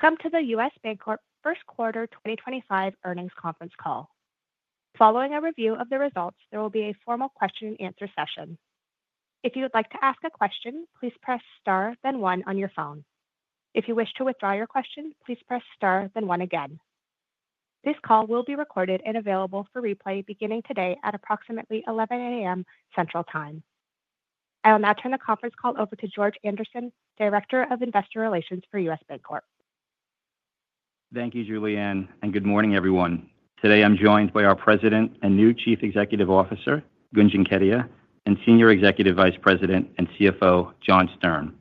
Welcome to the U.S. Bancorp First Quarter 2025 Earnings Conference call. Following a review of the results, there will be a formal question-and-answer session. If you would like to ask a question, please press star, then one on your phone. If you wish to withdraw your question, please press star, then one again. This call will be recorded and available for replay beginning today at approximately 11:00 A.M. Central Time. I will now turn the conference call over to George Andersen, Director of Investor Relations for U.S. Bancorp. Thank you, Julianne, and good morning, everyone. Today I'm joined by our President and new Chief Executive Officer, Gunjan Kedia, and Senior Executive Vice President and CFO, John Stern.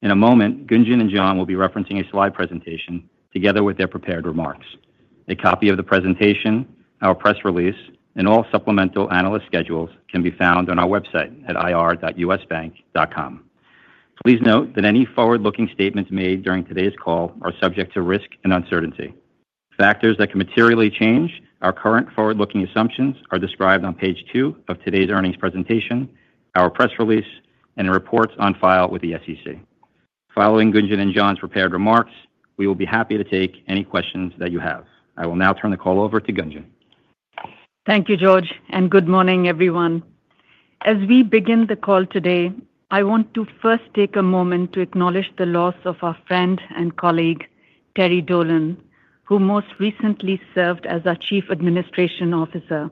In a moment, Gunjan and John will be referencing a slide presentation together with their prepared remarks. A copy of the presentation, our press release, and all supplemental analyst schedules can be found on our website at ir-usbank.com. Please note that any forward-looking statements made during today's call are subject to risk and uncertainty. Factors that can materially change our current forward-looking assumptions are described on page two of today's earnings presentation, our press release, and in reports on file with the SEC. Following Gunjan and John's prepared remarks, we will be happy to take any questions that you have. I will now turn the call over to Gunjan. Thank you, George, and good morning, everyone. As we begin the call today, I want to first take a moment to acknowledge the loss of our friend and colleague, Terry Dolan, who most recently served as our Chief Administration Officer.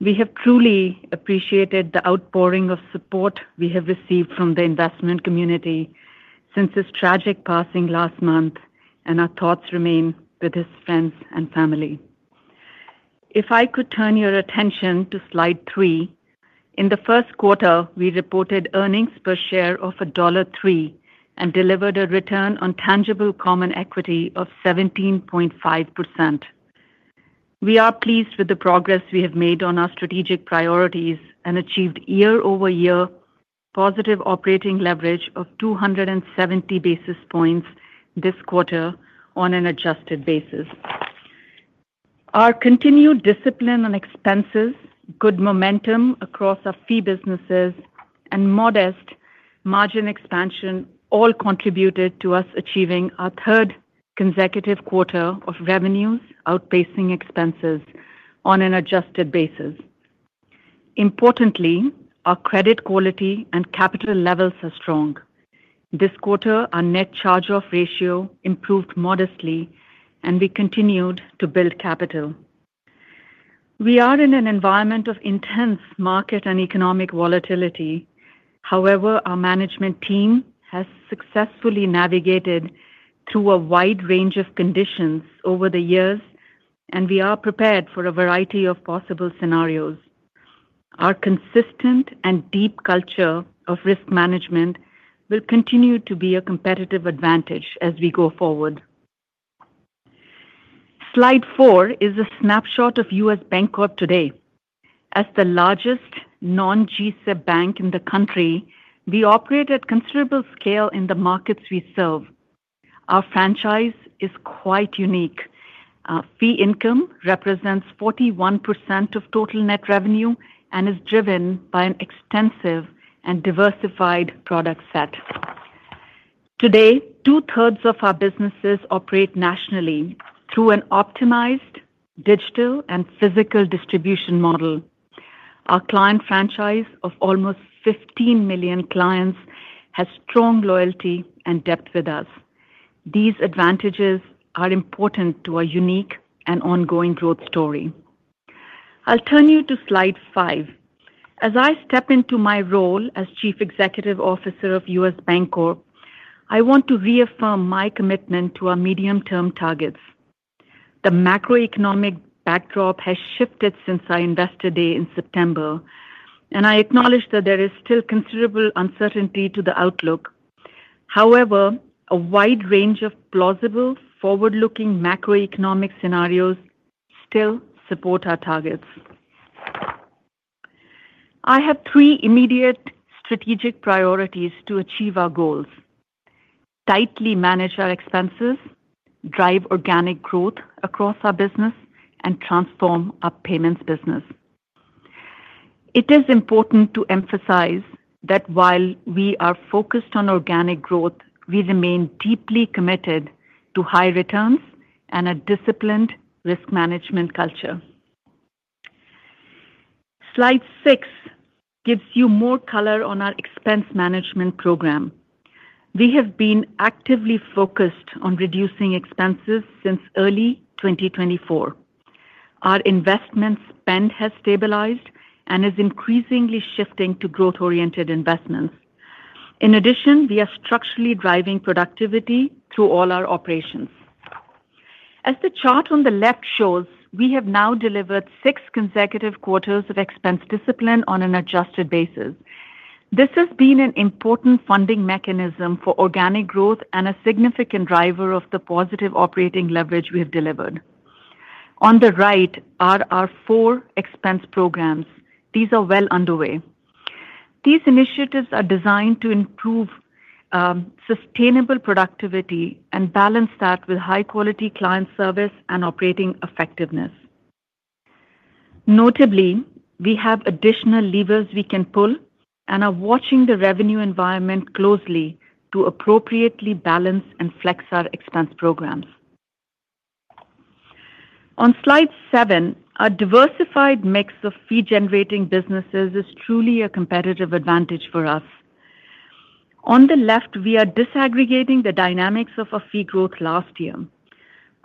We have truly appreciated the outpouring of support we have received from the investment community since his tragic passing last month, and our thoughts remain with his friends and family. If I could turn your attention to Slide three, in the first quarter, we reported earnings per share of $1.03 and delivered a return on tangible common equity of 17.5%. We are pleased with the progress we have made on our strategic priorities and achieved year-over-year positive operating leverage of 270 basis points this quarter on an adjusted basis. Our continued discipline on expenses, good momentum across our fee businesses, and modest margin expansion all contributed to us achieving our third consecutive quarter of revenues outpacing expenses on an adjusted basis. Importantly, our credit quality and capital levels are strong. This quarter, our net charge-off ratio improved modestly, and we continued to build capital. We are in an environment of intense market and economic volatility. However, our management team has successfully navigated through a wide range of conditions over the years, and we are prepared for a variety of possible scenarios. Our consistent and deep culture of risk management will continue to be a competitive advantage as we go forward. Slide four is a snapshot of U.S. Bancorp today. As the largest non-G-SIB bank in the country, we operate at considerable scale in the markets we serve. Our franchise is quite unique. Fee income represents 41% of total net revenue and is driven by an extensive and diversified product set. Today, two-thirds of our businesses operate nationally through an optimized digital and physical distribution model. Our client franchise of almost 15 million clients has strong loyalty and depth with us. These advantages are important to our unique and ongoing growth story. I'll turn you to Slide five. As I step into my role as Chief Executive Officer of U.S. Bancorp, I want to reaffirm my commitment to our medium-term targets. The macroeconomic backdrop has shifted since our Investor Day in September, and I acknowledge that there is still considerable uncertainty to the outlook. However, a wide range of plausible forward-looking macroeconomic scenarios still support our targets. I have three immediate strategic priorities to achieve our goals: tightly manage our expenses, drive organic growth across our business, and transform our payments business. It is important to emphasize that while we are focused on organic growth, we remain deeply committed to high returns and a disciplined risk management culture. Slide six gives you more color on our expense management program. We have been actively focused on reducing expenses since early 2024. Our investment spend has stabilized and is increasingly shifting to growth-oriented investments. In addition, we are structurally driving productivity through all our operations. As the chart on the left shows, we have now delivered six consecutive quarters of expense discipline on an adjusted basis. This has been an important funding mechanism for organic growth and a significant driver of the positive operating leverage we have delivered. On the right are our four expense programs. These are well underway. These initiatives are designed to improve sustainable productivity and balance that with high-quality client service and operating effectiveness. Notably, we have additional levers we can pull and are watching the revenue environment closely to appropriately balance and flex our expense programs. On Slide seven, a diversified mix of fee-generating businesses is truly a competitive advantage for us. On the left, we are disaggregating the dynamics of our fee growth last year.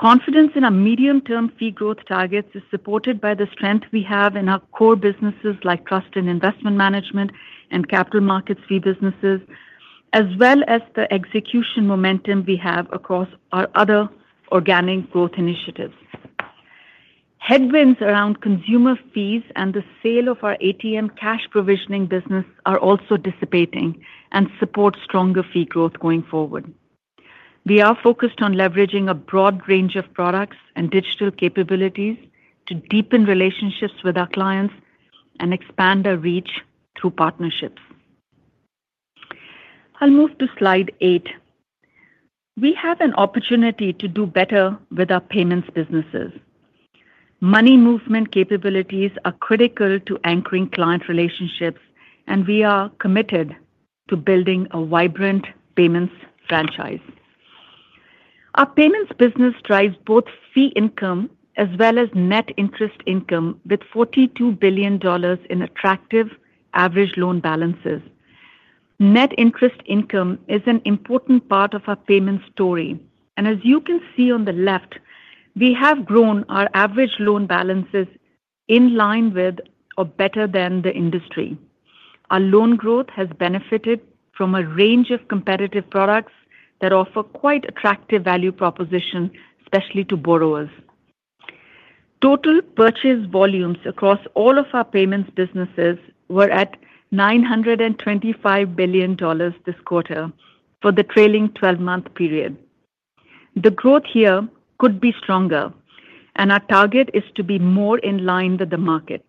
Confidence in our medium-term fee growth targets is supported by the strength we have in our core businesses like trust and investment management and Capital Markets fee businesses, as well as the execution momentum we have across our other organic growth initiatives. Headwinds around consumer fees and the sale of our ATM cash provisioning business are also dissipating and support stronger fee growth going forward. We are focused on leveraging a broad range of products and digital capabilities to deepen relationships with our clients and expand our reach through partnerships. I'll move to Slide eight. We have an opportunity to do better with our payments businesses. Money movement capabilities are critical to anchoring client relationships, and we are committed to building a vibrant payments franchise. Our payments business drives both fee income as well as net interest income with $42 billion in attractive average loan balances. Net interest income is an important part of our payments story, and as you can see on the left, we have grown our average loan balances in line with or better than the industry. Our loan growth has benefited from a range of competitive products that offer quite attractive value propositions, especially to borrowers. Total purchase volumes across all of our payments businesses were at $925 billion this quarter for the trailing 12-month period. The growth here could be stronger, and our target is to be more in line with the market.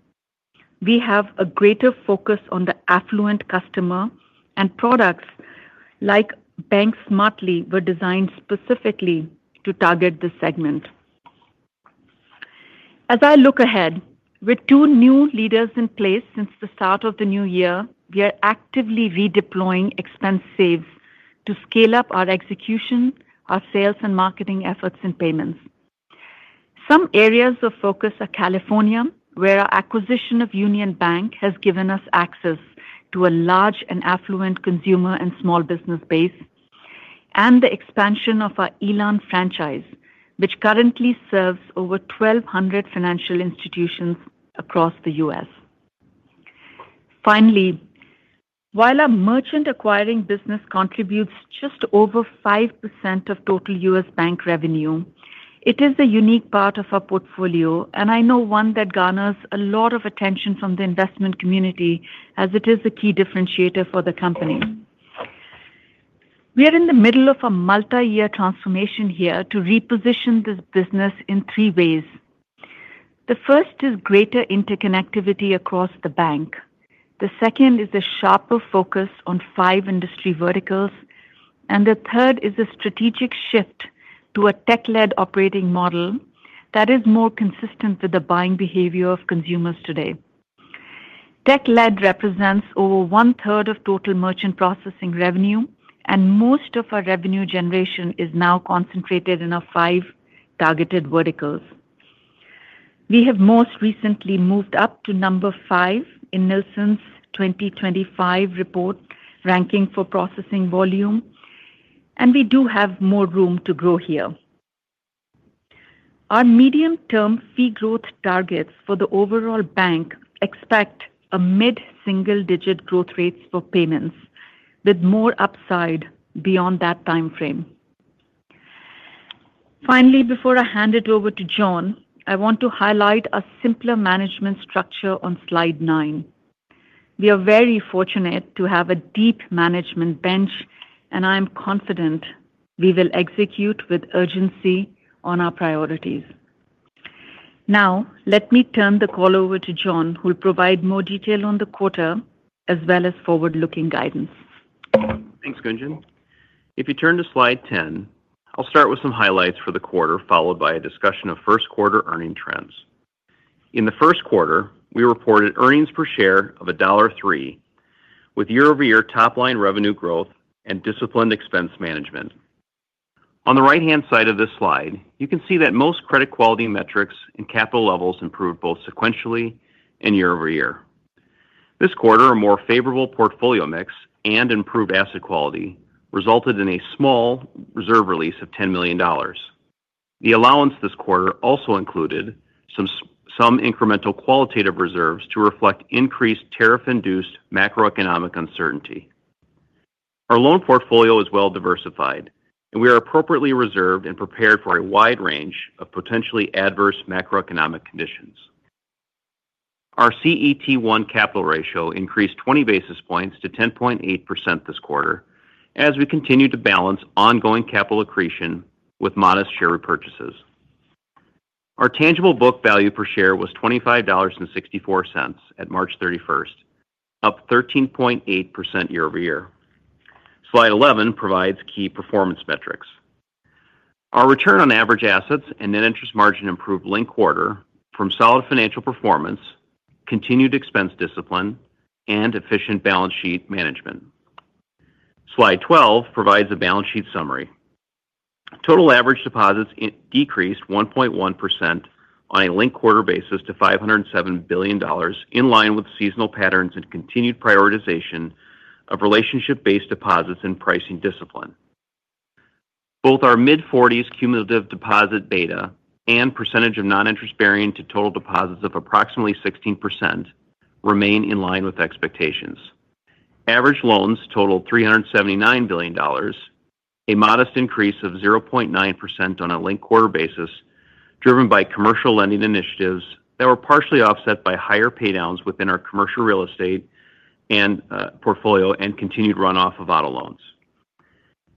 We have a greater focus on the affluent customer, and products like Bank Smartly were designed specifically to target this segment. As I look ahead, with two new leaders in place since the start of the new year, we are actively redeploying expense saves to scale up our execution, our sales, and marketing efforts in payments. Some areas of focus are California, where our acquisition of Union Bank has given us access to a large and affluent consumer and small business base, and the expansion of our Elan franchise, which currently serves over 1,200 financial institutions across the U.S. Finally, while our merchant acquiring business contributes just over 5% of total U.S. Bank revenue, it is a unique part of our portfolio, and I know one that garners a lot of attention from the investment community, as it is a key differentiator for the company. We are in the middle of a multi-year transformation here to reposition this business in three ways. The first is greater interconnectivity across the bank. The second is a sharper focus on five industry verticals, and the third is a strategic shift to a tech-led operating model that is more consistent with the buying behavior of consumers today. Tech-led represents over one-third of total Merchant Processing revenue, and most of our revenue generation is now concentrated in our five targeted verticals. We have most recently moved up to number five in Nilson's 2025 report ranking for processing volume, and we do have more room to grow here. Our medium-term fee growth targets for the overall bank expect a mid-single-digit growth rate for payments, with more upside beyond that time frame. Finally, before I hand it over to John, I want to highlight a simpler management structure on Slide nine. We are very fortunate to have a deep management bench, and I am confident we will execute with urgency on our priorities. Now, let me turn the call over to John, who will provide more detail on the quarter as well as forward-looking guidance. Thanks, Gunjan. If you turn to Slide 10, I'll start with some highlights for the quarter, followed by a discussion of first-quarter earning trends. In the first quarter, we reported earnings per share of $1.03, with year-over-year top-line revenue growth and disciplined expense management. On the right-hand side of this slide, you can see that most credit quality metrics and capital levels improved both sequentially and year-over-year. This quarter, a more favorable portfolio mix and improved asset quality resulted in a small reserve release of $10 million. The allowance this quarter also included some incremental qualitative reserves to reflect increased tariff-induced macroeconomic uncertainty. Our loan portfolio is well diversified, and we are appropriately reserved and prepared for a wide range of potentially adverse macroeconomic conditions. Our CET1 capital ratio increased 20 basis points to 10.8% this quarter, as we continue to balance ongoing capital accretion with modest share repurchases. Our tangible book value per share was $25.64 at March 31, up 13.8% year-over-year. Slide 11 provides key performance metrics. Our return on average assets and net interest margin improved linked quarter from solid financial performance, continued expense discipline, and efficient balance sheet management. Slide 12 provides a balance sheet summary. Total average deposits decreased 1.1% on a linked quarter basis to $507 billion, in line with seasonal patterns and continued prioritization of relationship-based deposits and pricing discipline. Both our mid-40s cumulative deposit beta and percentage of non-interest bearing to total deposits of approximately 16% remain in line with expectations. Average loans totaled $379 billion, a modest increase of 0.9% on a linked quarter basis, driven by commercial lending initiatives that were partially offset by higher paydowns within our commercial real estate portfolio and continued runoff of auto loans.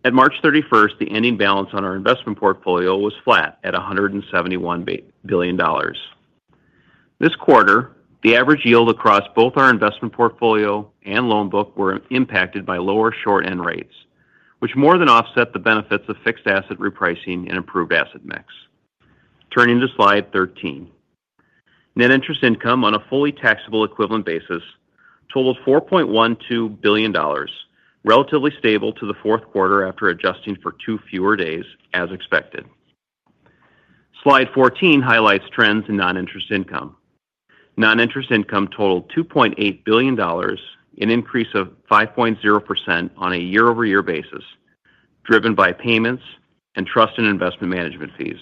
At March 31st, the ending balance on our investment portfolio was flat at $171 billion. This quarter, the average yield across both our investment portfolio and loan book were impacted by lower short-end rates, which more than offset the benefits of fixed asset repricing and improved asset mix. Turning to Slide 13, net interest income on a fully taxable equivalent basis totaled $4.12 billion, relatively stable to the fourth quarter after adjusting for two fewer days, as expected. Slide 14 highlights trends in non-interest income. Non-interest income totaled $2.8 billion, an increase of 5.0% on a year-over-year basis, driven by payments and trust and investment management fees.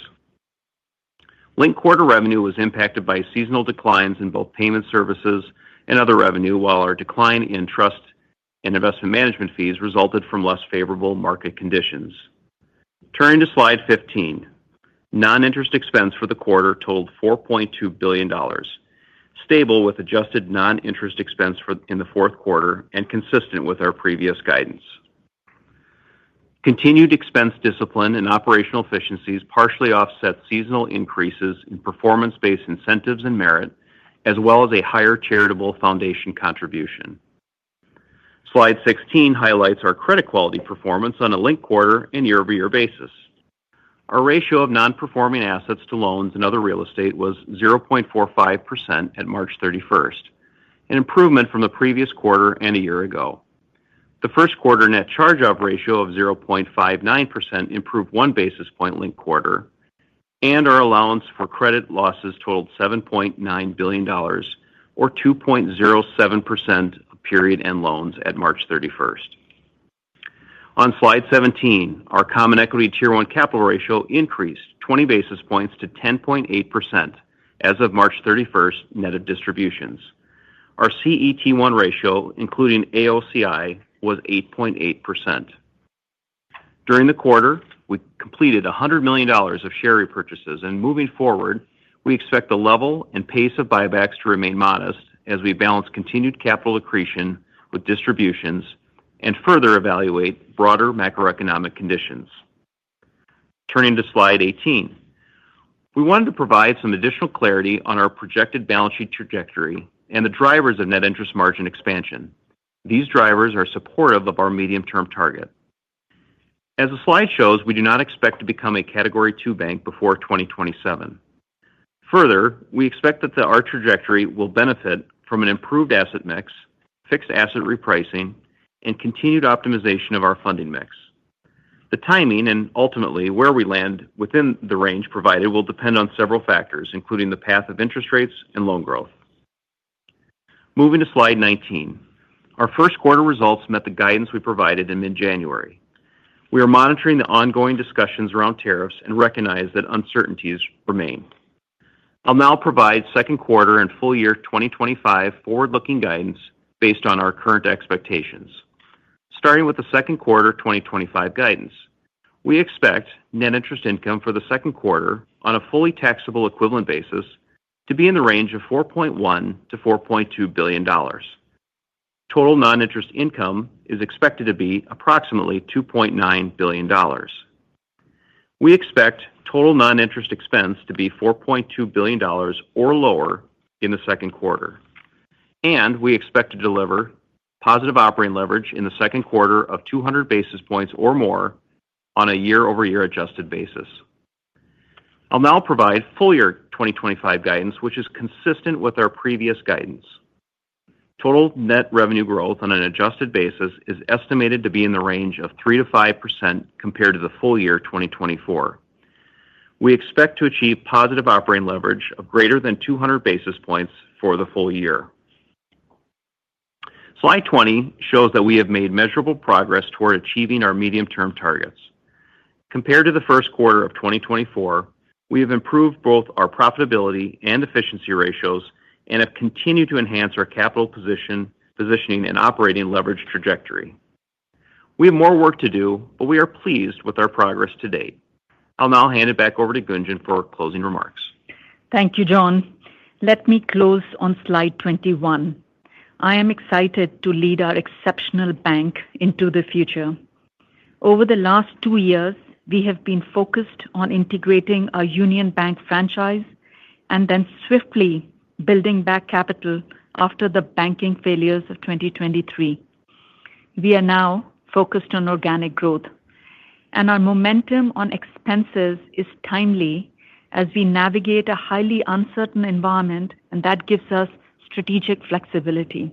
Link quarter revenue was impacted by seasonal declines in both payment services and other revenue, while our decline in trust and investment management fees resulted from less favorable market conditions. Turning to Slide 15, non-interest expense for the quarter totaled $4.2 billion, stable with adjusted non-interest expense in the fourth quarter and consistent with our previous guidance. Continued expense discipline and operational efficiencies partially offset seasonal increases in performance-based incentives and merit, as well as a higher charitable foundation contribution. Slide 16 highlights our credit quality performance on a link quarter and year-over-year basis. Our ratio of non-performing assets to loans and other real estate was 0.45% at March 31, an improvement from the previous quarter and a year ago. The first quarter net charge-off ratio of 0.59% improved one basis point link quarter, and our allowance for credit losses totaled $7.9 billion, or 2.07% period-end loans at March 31. On Slide 17, our common equity tier one capital ratio increased 20 basis points to 10.8% as of March 31 net of distributions. Our CET1 ratio, including AOCI, was 8.8%. During the quarter, we completed $100 million of share repurchases, and moving forward, we expect the level and pace of buybacks to remain modest as we balance continued capital accretion with distributions and further evaluate broader macroeconomic conditions. Turning to Slide 18, we wanted to provide some additional clarity on our projected balance sheet trajectory and the drivers of net interest margin expansion. These drivers are supportive of our medium-term target. As the Slide shows, we do not expect to become a Category II bank before 2027. Further, we expect that our trajectory will benefit from an improved asset mix, fixed asset repricing, and continued optimization of our funding mix. The timing and ultimately where we land within the range provided will depend on several factors, including the path of interest rates and loan growth. Moving to Slide 19, our first quarter results met the guidance we provided in mid-January. We are monitoring the ongoing discussions around tariffs and recognize that uncertainties remain. I'll now provide second quarter and full year 2025 forward-looking guidance based on our current expectations. Starting with the second quarter 2025 guidance, we expect net interest income for the second quarter on a fully taxable equivalent basis to be in the range of $4.1 billion-$4.2 billion. Total non-interest income is expected to be approximately $2.9 billion. We expect total non-interest expense to be $4.2 billion or lower in the second quarter, and we expect to deliver positive operating leverage in the second quarter of 200 basis points or more on a year-over-year adjusted basis. I'll now provide full year 2025 guidance, which is consistent with our previous guidance. Total net revenue growth on an adjusted basis is estimated to be in the range of 3-5% compared to the full year 2024. We expect to achieve positive operating leverage of greater than 200 basis points for the full year. Slide 20 shows that we have made measurable progress toward achieving our medium-term targets. Compared to the first quarter of 2024, we have improved both our profitability and efficiency ratios and have continued to enhance our capital positioning and operating leverage trajectory. We have more work to do, but we are pleased with our progress to date. I'll now hand it back over to Gunjan for closing remarks. Thank you, John. Let me close on Slide 21. I am excited to lead our exceptional bank into the future. Over the last two years, we have been focused on integrating our Union Bank franchise and then swiftly building back capital after the banking failures of 2023. We are now focused on organic growth, and our momentum on expenses is timely as we navigate a highly uncertain environment, and that gives us strategic flexibility.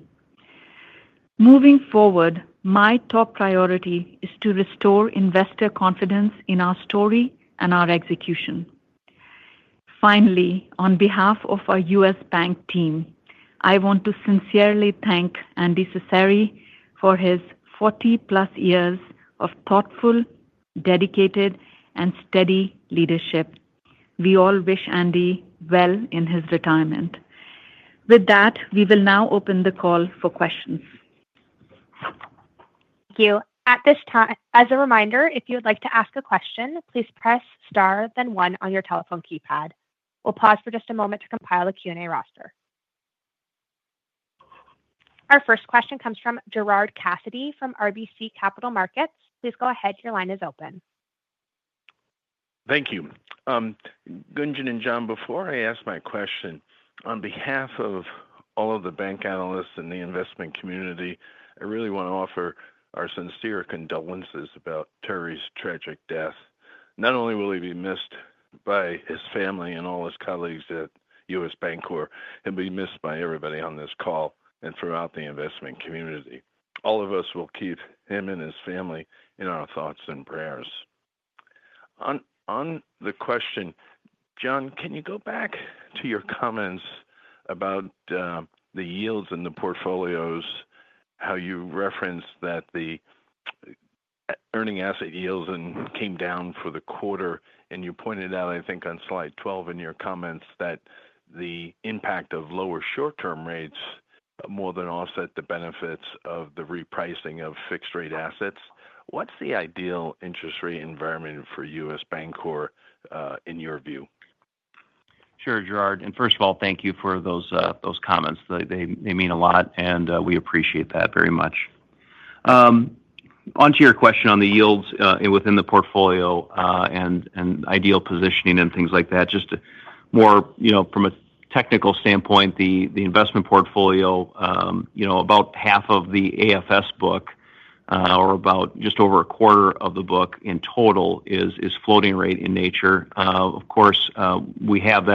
Moving forward, my top priority is to restore investor confidence in our story and our execution. Finally, on behalf of our U.S. Bank team, I want to sincerely thank Andy Cecere for his 40-plus years of thoughtful, dedicated, and steady leadership. We all wish Andy well in his retirement. With that, we will now open the call for questions. Thank you. At this time, as a reminder, if you would like to ask a question, please press star, then one on your telephone keypad. We'll pause for just a moment to compile a Q&A roster. Our first question comes from Gerard Cassidy from RBC Capital Markets. Please go ahead. Your line is open. Thank you. Gunjan and John, before I ask my question, on behalf of all of the bank analysts and the investment community, I really want to offer our sincere condolences about Terry's tragic death. Not only will he be missed by his family and all his colleagues at U.S. Bancorp, he'll be missed by everybody on this call and throughout the investment community. All of us will keep him and his family in our thoughts and prayers. On the question, John, can you go back to your comments about the yields in the portfolios, how you referenced that the earning asset yields came down for the quarter, and you pointed out, I think, on Slide 12 in your comments that the impact of lower short-term rates more than offset the benefits of the repricing of fixed-rate assets. What's the ideal interest rate environment for U.S. Bancorp in your view? Sure, Gerard. First of all, thank you for those comments. They mean a lot, and we appreciate that very much. Onto your question on the yields within the portfolio and ideal positioning and things like that, just more from a technical standpoint, the investment portfolio, about half of the AFS book or about just over a quarter of the book in total is floating rate in nature. Of course, we have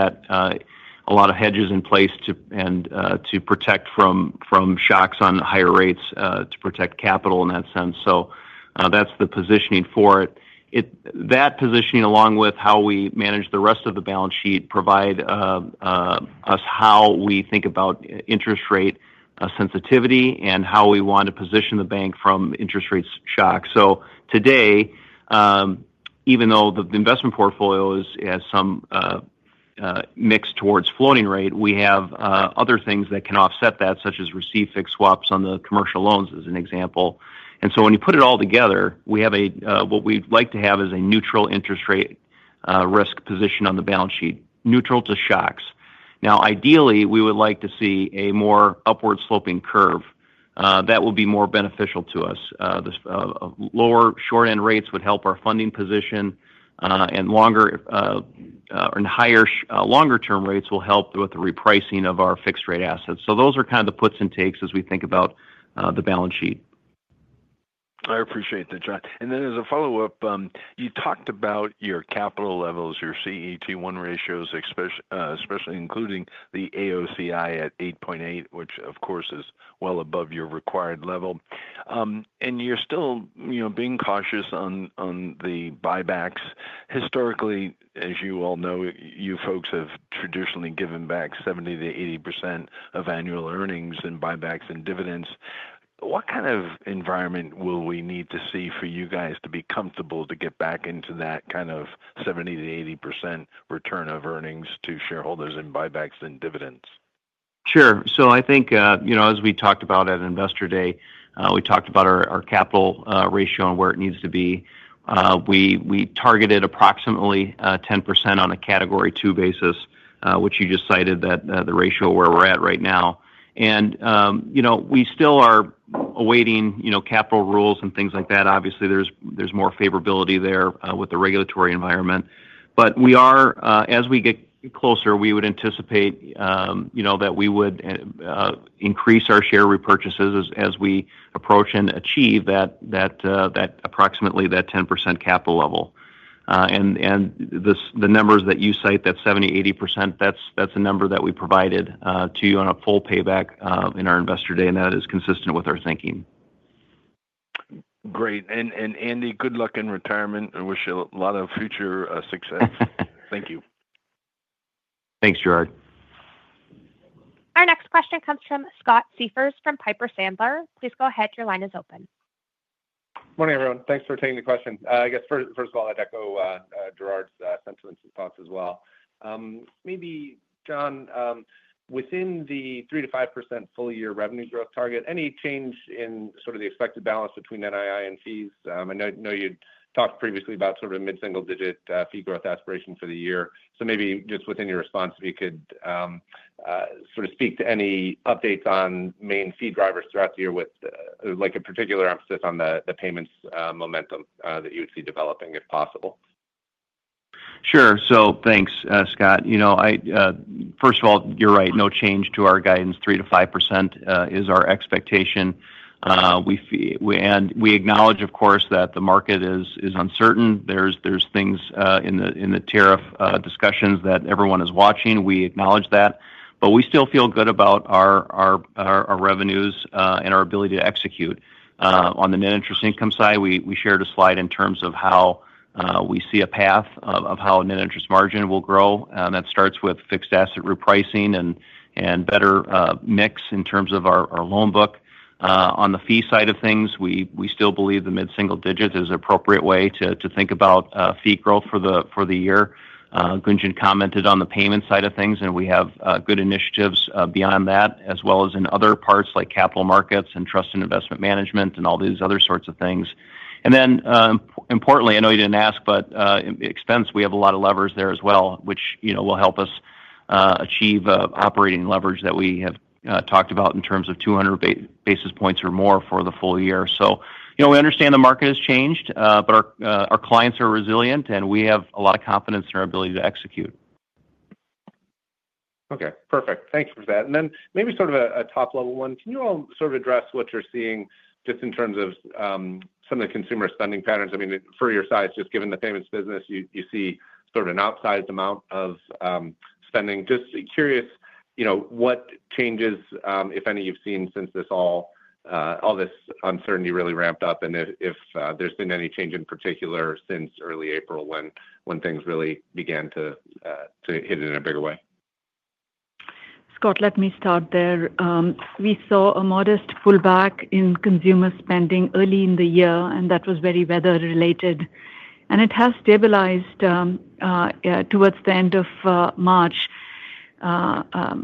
a lot of hedges in place to protect from shocks on higher rates to protect capital in that sense. That is the positioning for it. That positioning, along with how we manage the rest of the balance sheet, provides us how we think about interest rate sensitivity and how we want to position the bank from interest rate shocks. Today, even though the investment portfolio has some mix towards floating rate, we have other things that can offset that, such as receive-fixed swaps on the commercial loans, as an example. When you put it all together, what we would like to have is a neutral interest rate risk position on the balance sheet, neutral to shocks. Ideally, we would like to see a more upward-sloping curve. That would be more beneficial to us. Lower short-end rates would help our funding position, and higher longer-term rates will help with the repricing of our fixed-rate assets. Those are kind of the puts and takes as we think about the balance sheet. I appreciate that, John. As a follow-up, you talked about your capital levels, your CET1 ratios, especially including the AOCI at 8.8, which, of course, is well above your required level. You are still being cautious on the buybacks. Historically, as you all know, you folks have traditionally given back 70-80% of annual earnings in buybacks and dividends. What kind of environment will we need to see for you guys to be comfortable to get back into that kind of 70-80% return of earnings to shareholders in buybacks and dividends? Sure. I think as we talked about at Investor Day, we talked about our capital ratio and where it needs to be. We targeted approximately 10% on a category two basis, which you just cited, the ratio where we're at right now. We still are awaiting capital rules and things like that. Obviously, there's more favorability there with the regulatory environment. As we get closer, we would anticipate that we would increase our share repurchases as we approach and achieve approximately that 10% capital level. The numbers that you cite, that 70-80%, that's a number that we provided to you on a full payback in our Investor Day, and that is consistent with our thinking. Great. Andy, good luck in retirement. I wish you a lot of future success. Thank you. Thanks, Gerard. Our next question comes from Scott Siefers from Piper Sandler. Please go ahead. Your line is open. Morning, everyone. Thanks for taking the question. I guess, first of all, I'd echo Gerard's sentiments and thoughts as well. Maybe, John, within the 3-5% full year revenue growth target, any change in sort of the expected balance between NII and fees? I know you'd talked previously about sort of a mid-single-digit fee growth aspiration for the year. Just within your response, if you could sort of speak to any updates on main fee drivers throughout the year with a particular emphasis on the payments momentum that you would see developing, if possible. Sure. Thanks, Scott. First of all, you're right. No change to our guidance. 3-5% is our expectation. We acknowledge, of course, that the market is uncertain. There are things in the tariff discussions that everyone is watching. We acknowledge that. We still feel good about our revenues and our ability to execute. On the net interest income side, we shared a Slide in terms of how we see a path of how net interest margin will grow. That starts with fixed asset repricing and better mix in terms of our loan book. On the fee side of things, we still believe the mid-single digit is an appropriate way to think about fee growth for the year. Gunjan commented on the payment side of things, and we have good initiatives beyond that, as well as in other parts like capital markets and trust and investment management and all these other sorts of things. Importantly, I know you did not ask, but expense, we have a lot of levers there as well, which will help us achieve operating leverage that we have talked about in terms of 200 basis points or more for the full year. We understand the market has changed, but our clients are resilient, and we have a lot of confidence in our ability to execute. Okay. Perfect. Thanks for that. Maybe sort of a top-level one. Can you all sort of address what you're seeing just in terms of some of the consumer spending patterns? I mean, for your size, just given the payments business, you see sort of an upsized amount of spending. Just curious what changes, if any, you've seen since all this uncertainty really ramped up, and if there's been any change in particular since early April when things really began to hit in a bigger way. Scott, let me start there. We saw a modest pullback in consumer spending early in the year, and that was very weather-related. It has stabilized towards the end of March.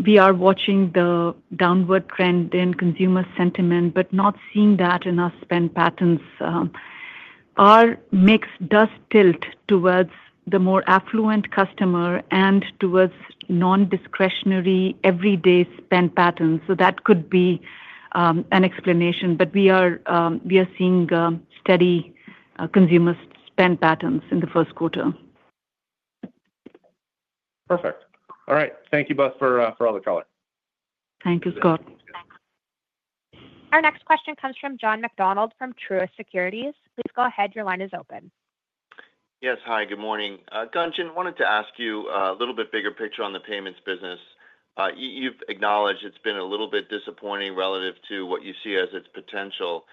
We are watching the downward trend in consumer sentiment, but not seeing that in our spend patterns. Our mix does tilt towards the more affluent customer and towards non-discretionary everyday spend patterns. That could be an explanation, but we are seeing steady consumer spend patterns in the first quarter. Perfect. All right. Thank you both for all the color. Thank you, Scott. Our next question comes from John McDonald from Truist Securities. Please go ahead. Your line is open. Yes. Hi, good morning. Gunjan, wanted to ask you a little bit bigger picture on the payments business. You've acknowledged it's been a little bit disappointing relative to what you see as its potential.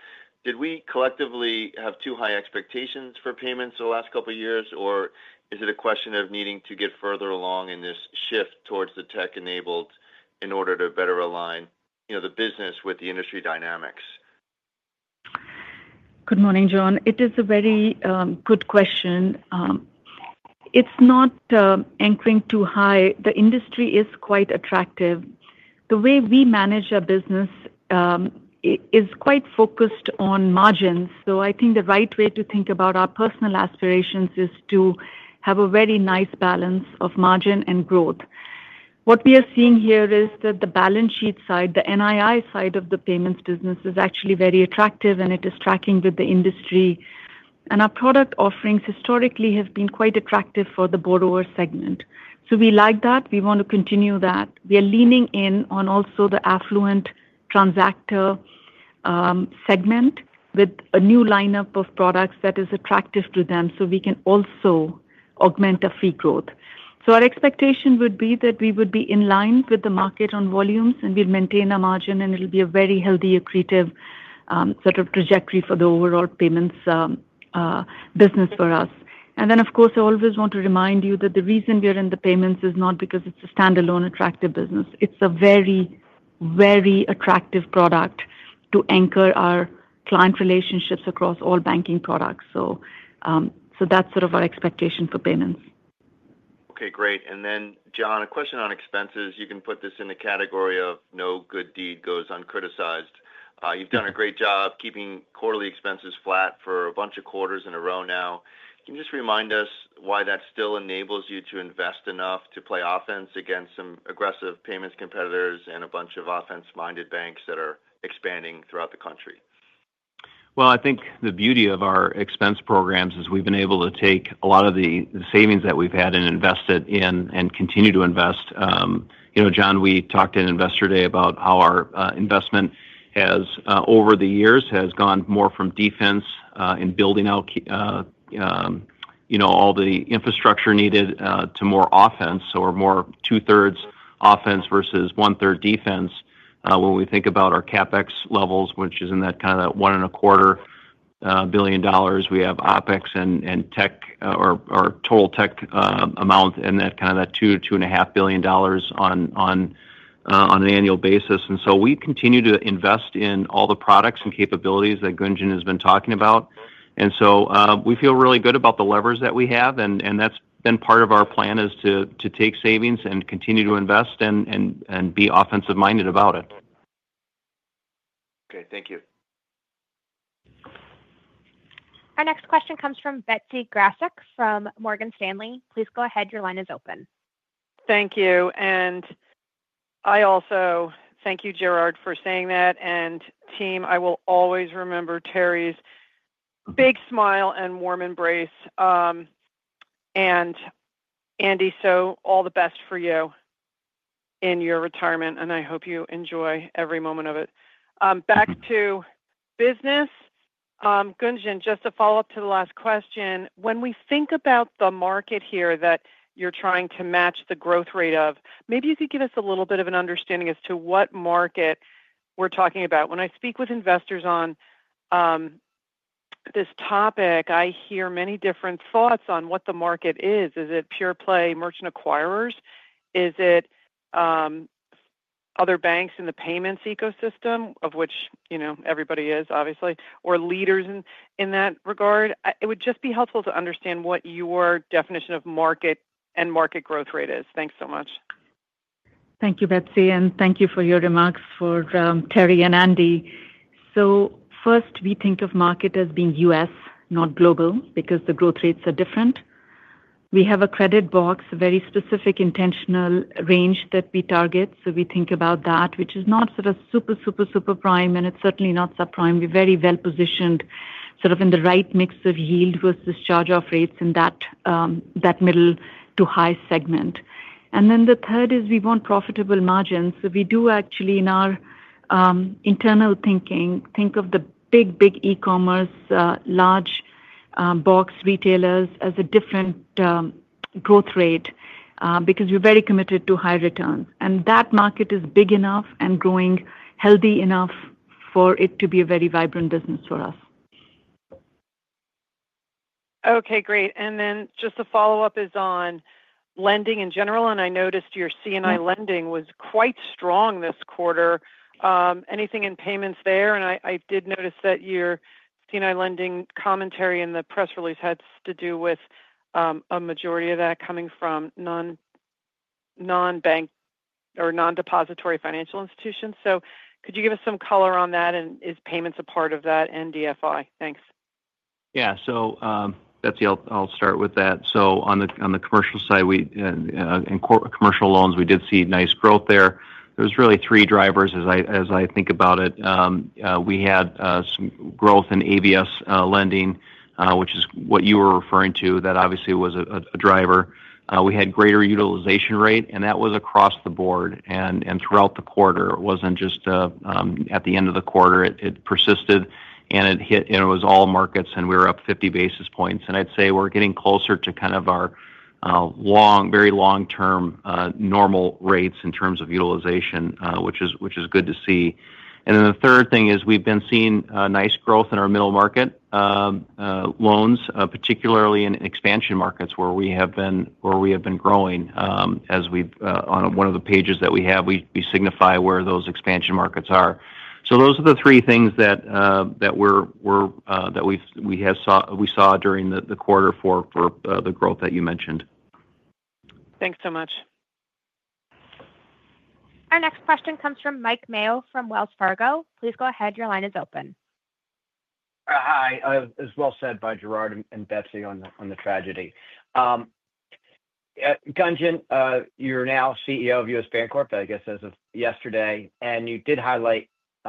Did we collectively have too high expectations for payments the last couple of years, or is it a question of needing to get further along in this shift towards the tech-enabled in order to better align the business with the industry dynamics? Good morning, John. It is a very good question. It's not anchoring too high. The industry is quite attractive. The way we manage our business is quite focused on margins. I think the right way to think about our personal aspirations is to have a very nice balance of margin and growth. What we are seeing here is that the balance sheet side, the NII side of the payments business is actually very attractive, and it is tracking with the industry. Our product offerings historically have been quite attractive for the borrower segment. We like that. We want to continue that. We are leaning in on also the affluent transactor segment with a new lineup of products that is attractive to them so we can also augment our fee growth. Our expectation would be that we would be in line with the market on volumes, and we'd maintain our margin, and it'll be a very healthy, accretive sort of trajectory for the overall payments business for us. Of course, I always want to remind you that the reason we are in the payments is not because it's a standalone, attractive business. It's a very, very attractive product to anchor our client relationships across all banking products. That's sort of our expectation for payments. Okay. Great. John, a question on expenses. You can put this in the category of no good deed goes uncriticized. You've done a great job keeping quarterly expenses flat for a bunch of quarters in a row now. Can you just remind us why that still enables you to invest enough to play offense against some aggressive payments competitors and a bunch of offense-minded banks that are expanding throughout the country? I think the beauty of our expense programs is we've been able to take a lot of the savings that we've had and invested in and continue to invest. John, we talked at Investor Day about how our investment over the years has gone more from defense in building out all the infrastructure needed to more offense, so we're more two-thirds offense versus one-third defense. When we think about our CapEx levels, which is in that kind of $1.25 billion, we have OpEx and tech or total tech amount in that kind of $2 billion-$2.5 billion on an annual basis. We continue to invest in all the products and capabilities that Gunjan has been talking about. We feel really good about the levers that we have, and that has been part of our plan, to take savings and continue to invest and be offensive-minded about it. Okay. Thank you. Our next question comes from Betsy Graseck from Morgan Stanley. Please go ahead. Your line is open. Thank you. I also thank you, Gerard, for saying that. Team, I will always remember Terry's big smile and warm embrace. Andy, all the best for you in your retirement, and I hope you enjoy every moment of it. Back to business. Gunjan, just to follow up to the last question, when we think about the market here that you're trying to match the growth rate of, maybe you could give us a little bit of an understanding as to what market we're talking about. When I speak with investors on this topic, I hear many different thoughts on what the market is. Is it pure-play merchant acquirers? Is it other banks in the payments ecosystem, of which everybody is, obviously, or leaders in that regard? It would just be helpful to understand what your definition of market and market growth rate is. Thanks so much. Thank you, Betsy, and thank you for your remarks for Terry and Andy. First, we think of market as being U.S., not global, because the growth rates are different. We have a credit box, a very specific intentional range that we target. We think about that, which is not sort of super, super, super prime, and it is certainly not subprime. We are very well positioned sort of in the right mix of yield versus charge-off rates in that middle to high segment. The third is we want profitable margins. We do actually, in our internal thinking, think of the big, big e-commerce, large box retailers as a different growth rate because we are very committed to high returns. That market is big enough and growing healthy enough for it to be a very vibrant business for us. Okay. Great. Just to follow up is on lending in general, and I noticed your C&I lending was quite strong this quarter. Anything in payments there? I did notice that your C&I lending commentary in the press release had to do with a majority of that coming from non-bank or non-depository financial institutions. Could you give us some color on that, and is payments a part of that and DFI? Thanks. Yeah. Betsy, I'll start with that. On the commercial side and commercial loans, we did see nice growth there. There are really three drivers, as I think about it. We had some growth in ABS lending, which is what you were referring to, that obviously was a driver. We had greater utilization rate, and that was across the board and throughout the quarter. It was not just at the end of the quarter. It persisted, and it was all markets, and we were up 50 basis points. I'd say we are getting closer to kind of our very long-term normal rates in terms of utilization, which is good to see. The third thing is we've been seeing nice growth in our middle market loans, particularly in expansion markets where we have been growing as we've on one of the pages that we have, we signify where those expansion markets are. Those are the three things that we saw during the quarter for the growth that you mentioned. Thanks so much. Our next question comes from Mike Mayo from Wells Fargo. Please go ahead. Your line is open. Hi. As well said by Gerard and Betsy on the tragedy. Gunjan, you're now CEO of U.S. Bancorp, I guess, as of yesterday, and you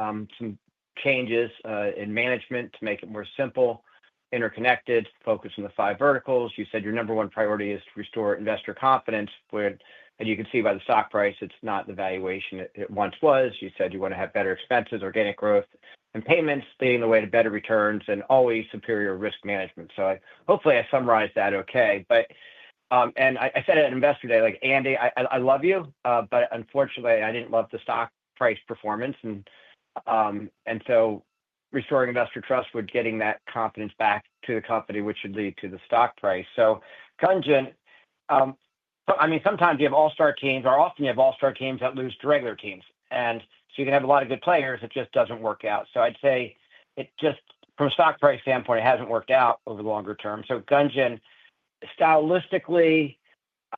did highlight some changes in management to make it more simple, interconnected, focused on the five verticals. You said your number one priority is to restore investor confidence, and you can see by the stock price, it's not the valuation it once was. You said you want to have better expenses, organic growth, and payments leading the way to better returns and always superior risk management. Hopefully, I summarized that okay. I said at Investor Day, like, "Andy, I love you, but unfortunately, I didn't love the stock price performance." Restoring investor trust would get that confidence back to the company, which would lead to the stock price. Gunjan, I mean, sometimes you have all-star teams. Often, you have all-star teams that lose to regular teams. You can have a lot of good players. It just does not work out. I would say it just, from a stock price standpoint, it has not worked out over the longer term. Gunjan, stylistically,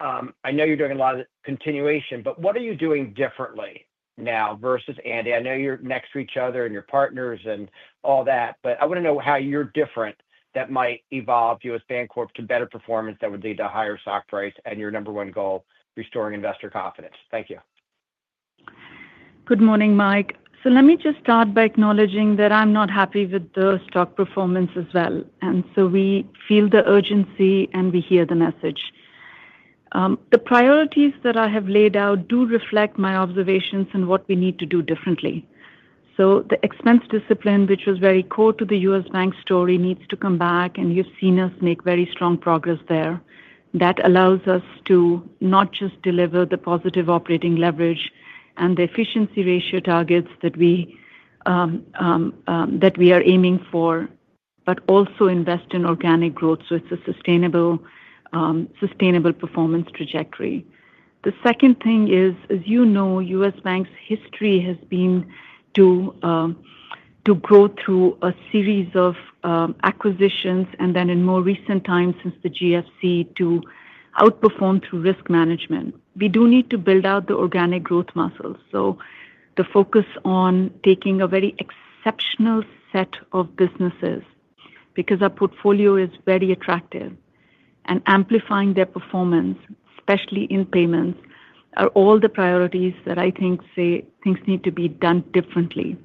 I know you are doing a lot of continuation, but what are you doing differently now versus Andy? I know you are next to each other and you are partners and all that, but I want to know how you are different that might evolve U.S. Bancorp to better performance that would lead to a higher stock price and your number one goal, restoring investor confidence. Thank you. Good morning, Mike. Let me just start by acknowledging that I'm not happy with the stock performance as well. We feel the urgency, and we hear the message. The priorities that I have laid out do reflect my observations and what we need to do differently. The expense discipline, which was very core to the U.S. Bank story, needs to come back, and you've seen us make very strong progress there. That allows us to not just deliver the positive operating leverage and the efficiency ratio targets that we are aiming for, but also invest in organic growth so it's a sustainable performance trajectory. The second thing is, as you know, U.S. Bank's history has been to grow through a series of acquisitions and then, in more recent times since the GFC, to outperform through risk management. We do need to build out the organic growth muscles. The focus on taking a very exceptional set of businesses because our portfolio is very attractive and amplifying their performance, especially in payments, are all the priorities that I think say things need to be done differently.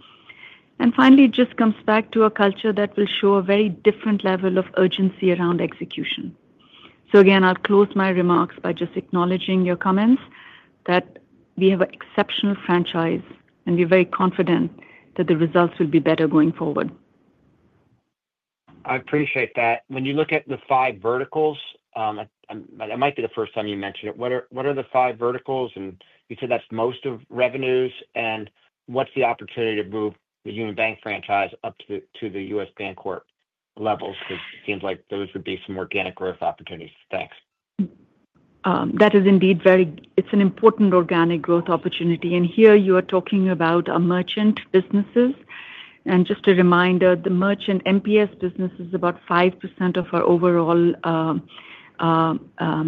Finally, it just comes back to a culture that will show a very different level of urgency around execution. Again, I'll close my remarks by just acknowledging your comments that we have an exceptional franchise, and we're very confident that the results will be better going forward. I appreciate that. When you look at the five verticals, it might be the first time you mentioned it. What are the five verticals? You said that's most of revenues. What's the opportunity to move the Union Bank franchise up to the U.S. Bancorp levels? It seems like those would be some organic growth opportunities. Thanks. That is indeed an important organic growth opportunity. Here, you are talking about merchant businesses. Just a reminder, the merchant MPS business is about 5% of our overall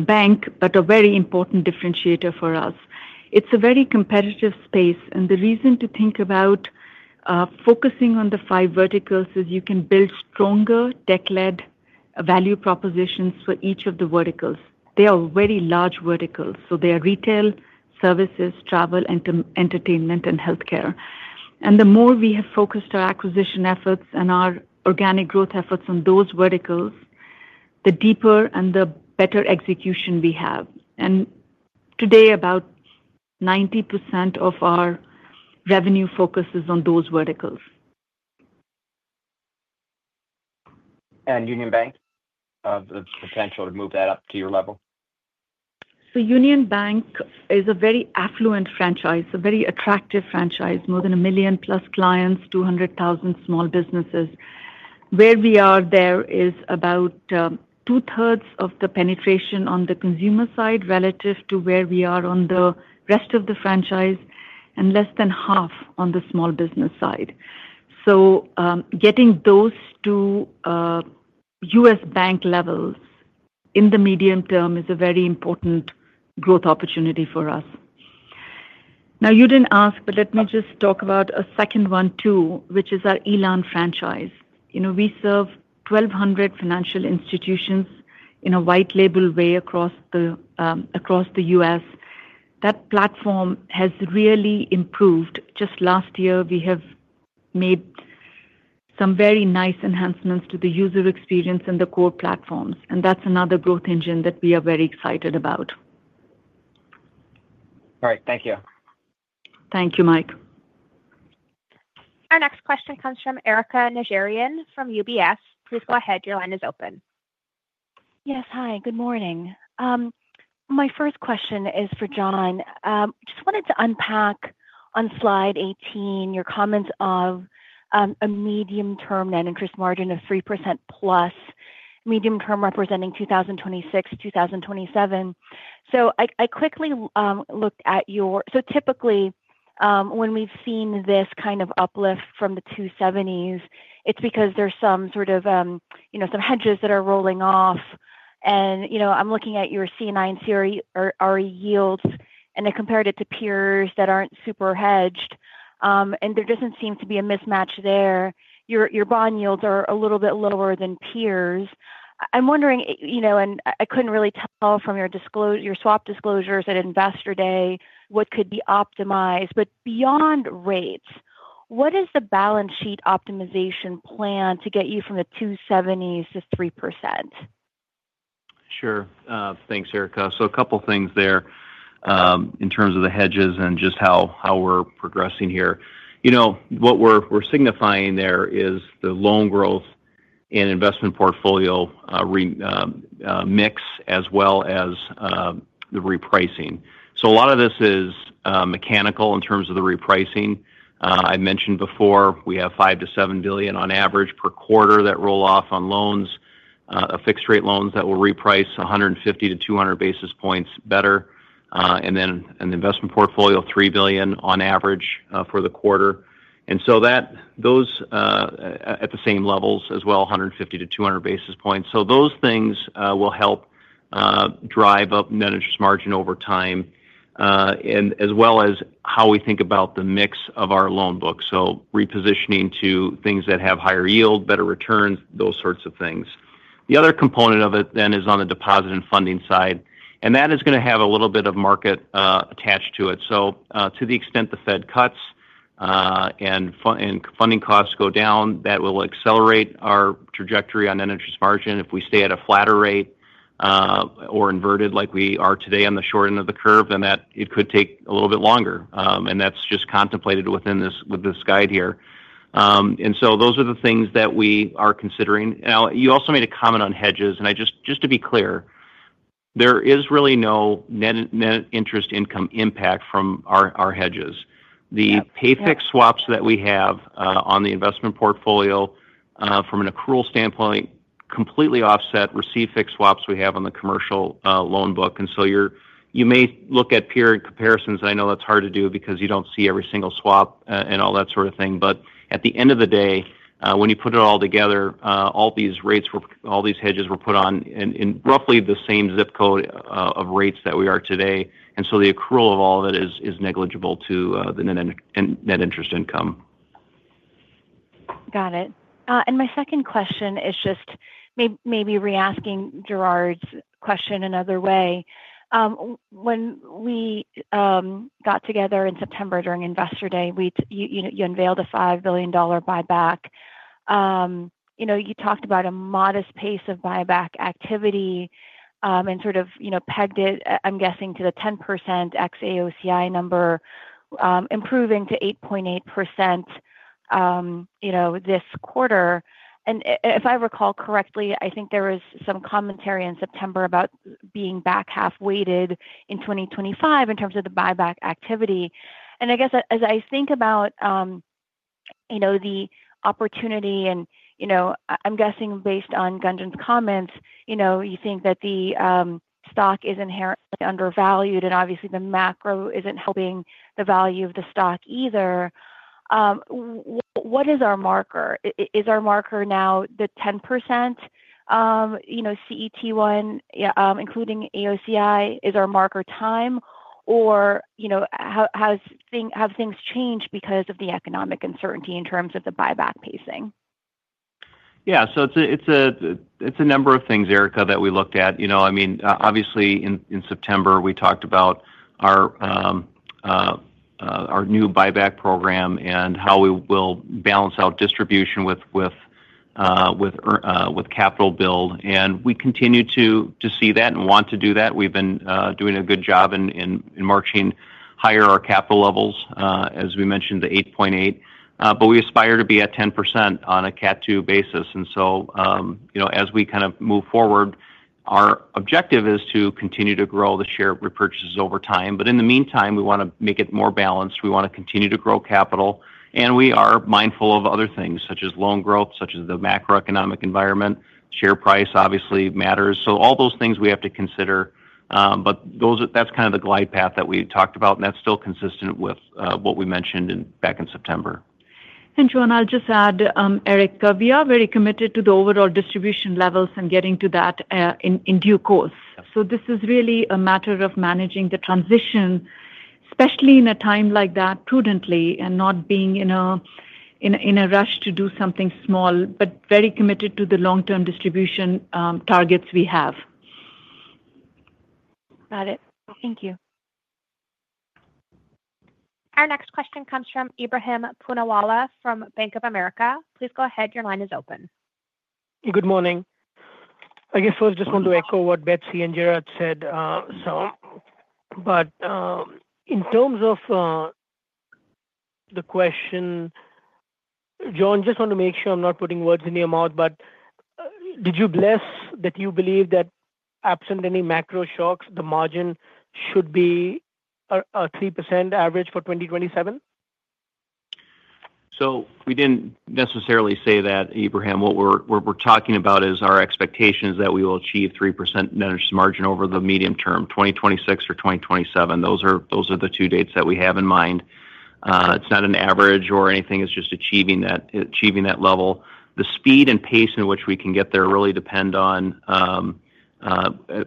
bank, but a very important differentiator for us. It's a very competitive space. The reason to think about focusing on the five verticals is you can build stronger tech-led value propositions for each of the verticals. They are very large verticals. They are retail, services, travel, entertainment, and healthcare. The more we have focused our acquisition efforts and our organic growth efforts on those verticals, the deeper and the better execution we have. Today, about 90% of our revenue focuses on those verticals. Union Bank? Of the potential to move that up to your level? Union Bank is a very affluent franchise, a very attractive franchise, more than a million-plus clients, 200,000 small businesses. Where we are there is about two-thirds of the penetration on the consumer side relative to where we are on the rest of the franchise and less than half on the small business side. Getting those to U.S. Bank levels in the medium term is a very important growth opportunity for us. Now, you did not ask, but let me just talk about a second one too, which is our Elan franchise. We serve 1,200 financial institutions in a white-label way across the U.S. That platform has really improved. Just last year, we have made some very nice enhancements to the user experience and the core platforms. That is another growth engine that we are very excited about. All right. Thank you. Thank you, Mike. Our next question comes from Erica Najarian from UBS. Please go ahead. Your line is open. Yes. Hi. Good morning. My first question is for John. I just wanted to unpack on Slide 18 your comments of a medium-term net interest margin of 3% plus, medium-term representing 2026, 2027. I quickly looked at your—typically, when we've seen this kind of uplift from the 270s, it's because there's some sort of hedges that are rolling off. I'm looking at your C&I and CRE yields, and I compared it to peers that aren't super hedged, and there doesn't seem to be a mismatch there. Your bond yields are a little bit lower than peers. I'm wondering, and I couldn't really tell from your swap disclosures at Investor Day what could be optimized. Beyond rates, what is the balance sheet optimization plan to get you from the 270s to 3%? Sure. Thanks, Erica. A couple of things there in terms of the hedges and just how we're progressing here. What we're signifying there is the loan growth and investment portfolio mix as well as the repricing. A lot of this is mechanical in terms of the repricing. I mentioned before we have $5 billion to $7 billion on average per quarter that roll off on loans, fixed-rate loans that will reprice 150 to 200 basis points better. An investment portfolio of $3 billion on average for the quarter. Those at the same levels as well, 150 to 200 basis points. Those things will help drive up net interest margin over time as well as how we think about the mix of our loan books. Repositioning to things that have higher yield, better returns, those sorts of things. The other component of it then is on the deposit and funding side. That is going to have a little bit of market attached to it. To the extent the Fed cuts and funding costs go down, that will accelerate our trajectory on net interest margin. If we stay at a flatter rate or inverted like we are today on the short end of the curve, it could take a little bit longer. That is just contemplated with this guide here. Those are the things that we are considering. You also made a comment on hedges. Just to be clear, there is really no net interest income impact from our hedges. The pay-fixed swaps that we have on the investment portfolio, from an accrual standpoint, completely offset receipt-fix swaps we have on the commercial loan book. You may look at peer comparisons. I know that's hard to do because you don't see every single swap and all that sort of thing. At the end of the day, when you put it all together, all these rates, all these hedges were put on in roughly the same zip code of rates that we are today. The accrual of all of it is negligible to the net interest income. Got it. My second question is just maybe re-asking Gerard's question another way. When we got together in September during Investor Day, you unveiled a $5 billion buyback. You talked about a modest pace of buyback activity and sort of pegged it, I'm guessing, to the 10% XAOCI number, improving to 8.8% this quarter. If I recall correctly, I think there was some commentary in September about being back half-weighted in 2025 in terms of the buyback activity. I guess, as I think about the opportunity, and I'm guessing based on Gunjan's comments, you think that the stock is inherently undervalued, and obviously, the macro is not helping the value of the stock either. What is our marker? Is our marker now the 10% CET1, including AOCI? Is our marker time? Have things changed because of the economic uncertainty in terms of the buyback pacing? Yeah. So it's a number of things, Erica, that we looked at. I mean, obviously, in September, we talked about our new buyback program and how we will balance out distribution with capital build. We continue to see that and want to do that. We've been doing a good job in marching higher our capital levels, as we mentioned, the 8.8. We aspire to be at 10% on a Category 2 basis. As we kind of move forward, our objective is to continue to grow the share repurchases over time. In the meantime, we want to make it more balanced. We want to continue to grow capital. We are mindful of other things such as loan growth, such as the macroeconomic environment. Share price, obviously, matters. All those things we have to consider. That is kind of the glide path that we talked about, and that is still consistent with what we mentioned back in September. John, I'll just add, Eric, we are very committed to the overall distribution levels and getting to that in due course. This is really a matter of managing the transition, especially in a time like that, prudently and not being in a rush to do something small, but very committed to the long-term distribution targets we have. Got it. Thank you. Our next question comes from Ebrahim Poonawala from Bank of America. Please go ahead. Your line is open. Good morning. I guess first, I just want to echo what Betsy and Gerard said. In terms of the question, John, just want to make sure I'm not putting words in your mouth, but did you bless that you believe that absent any macro shocks, the margin should be a 3% average for 2027? We did not necessarily say that, Ebrahim. What we are talking about is our expectations that we will achieve 3% net interest margin over the medium term, 2026 or 2027. Those are the two dates that we have in mind. It is not an average or anything. It is just achieving that level. The speed and pace in which we can get there really depend on,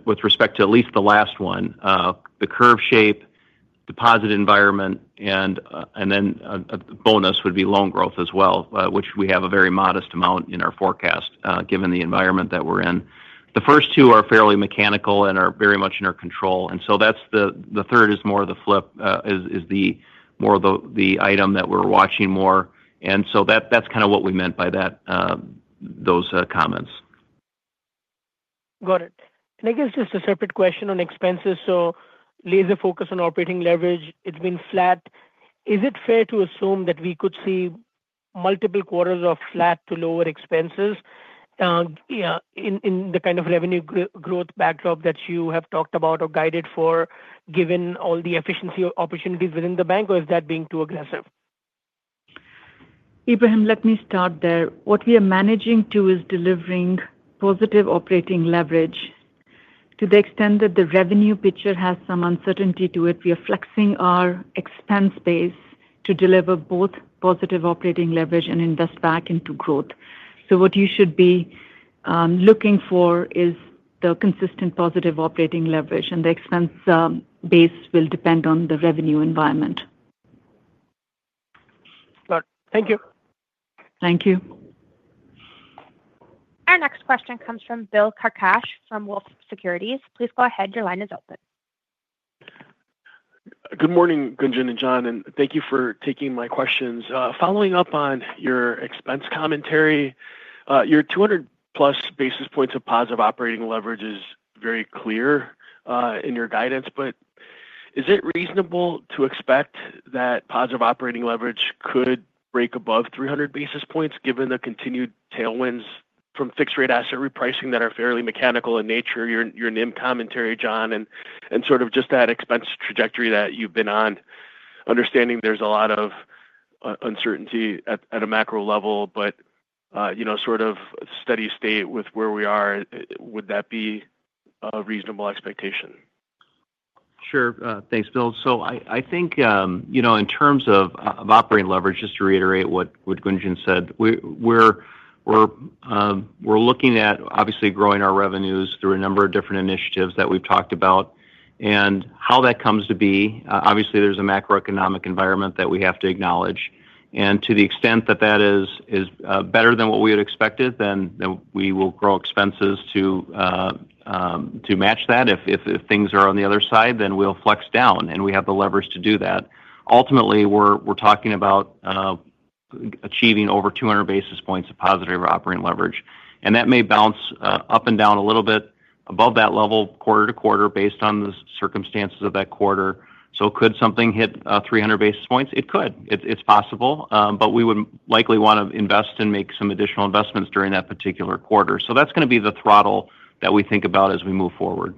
with respect to at least the last one, the curve shape, deposit environment, and then a bonus would be loan growth as well, which we have a very modest amount in our forecast given the environment that we are in. The first two are fairly mechanical and are very much in our control. The third is more the flip, is more of the item that we are watching more. That is kind of what we meant by those comments. Got it. I guess just a separate question on expenses. Laser focus on operating leverage. It's been flat. Is it fair to assume that we could see multiple quarters of flat to lower expenses in the kind of revenue growth backdrop that you have talked about or guided for given all the efficiency opportunities within the bank, or is that being too aggressive? Ebrahim, let me start there. What we are managing to is delivering positive operating leverage. To the extent that the revenue picture has some uncertainty to it, we are flexing our expense base to deliver both positive operating leverage and invest back into growth. What you should be looking for is the consistent positive operating leverage, and the expense base will depend on the revenue environment. Got it. Thank you. Thank you. Our next question comes from Bill Carcache from Wolfe Research. Please go ahead. Your line is open. Good morning, Gunjan and John. Thank you for taking my questions. Following up on your expense commentary, your 200-plus basis points of positive operating leverage is very clear in your guidance. Is it reasonable to expect that positive operating leverage could break above 300 basis points given the continued tailwinds from fixed-rate asset repricing that are fairly mechanical in nature? Your NIM commentary, John, and sort of just that expense trajectory that you've been on, understanding there's a lot of uncertainty at a macro level, but sort of steady state with where we are, would that be a reasonable expectation? Sure. Thanks, Bill. I think in terms of operating leverage, just to reiterate what Gunjan said, we're looking at obviously growing our revenues through a number of different initiatives that we've talked about. How that comes to be, obviously, there's a macroeconomic environment that we have to acknowledge. To the extent that that is better than what we had expected, then we will grow expenses to match that. If things are on the other side, then we'll flex down, and we have the levers to do that. Ultimately, we're talking about achieving over 200 basis points of positive operating leverage. That may bounce up and down a little bit above that level quarter to quarter based on the circumstances of that quarter. Could something hit 300 basis points? It could. It's possible. We would likely want to invest and make some additional investments during that particular quarter. That is going to be the throttle that we think about as we move forward.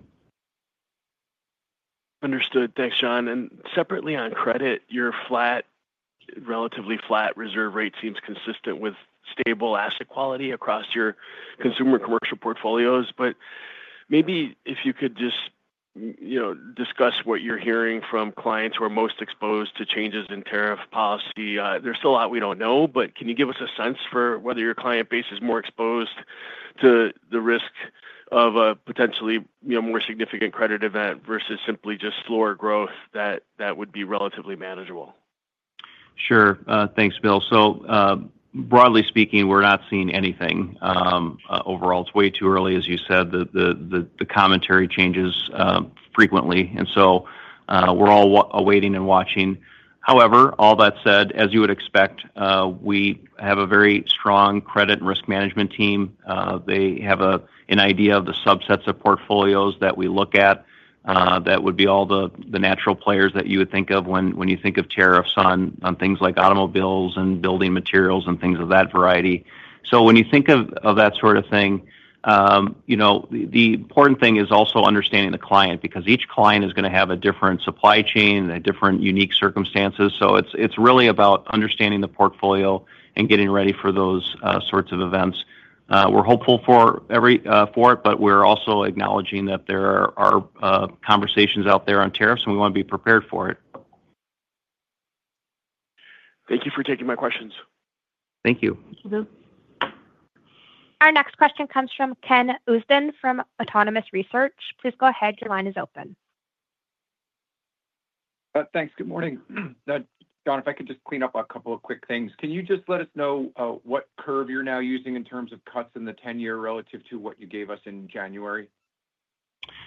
Understood. Thanks, John. Separately on credit, your relatively flat reserve rate seems consistent with stable asset quality across your consumer commercial portfolios. Maybe if you could just discuss what you're hearing from clients who are most exposed to changes in tariff policy. There's still a lot we don't know. Can you give us a sense for whether your client base is more exposed to the risk of a potentially more significant credit event versus simply just slower growth that would be relatively manageable? Sure. Thanks, Bill. Broadly speaking, we're not seeing anything overall. It's way too early, as you said. The commentary changes frequently. We're all awaiting and watching. However, all that said, as you would expect, we have a very strong credit and risk management team. They have an idea of the subsets of portfolios that we look at that would be all the natural players that you would think of when you think of tariffs on things like automobiles and building materials and things of that variety. When you think of that sort of thing, the important thing is also understanding the client because each client is going to have a different supply chain and different unique circumstances. It's really about understanding the portfolio and getting ready for those sorts of events. We're hopeful for it, but we're also acknowledging that there are conversations out there on tariffs, and we want to be prepared for it. Thank you for taking my questions. Thank you. Thank you, Bill. Our next question comes from Ken Usdin from Autonomous Research. Please go ahead. Your line is open. Thanks. Good morning. John, if I could just clean up a couple of quick things. Can you just let us know what curve you're now using in terms of cuts in the 10-year relative to what you gave us in January?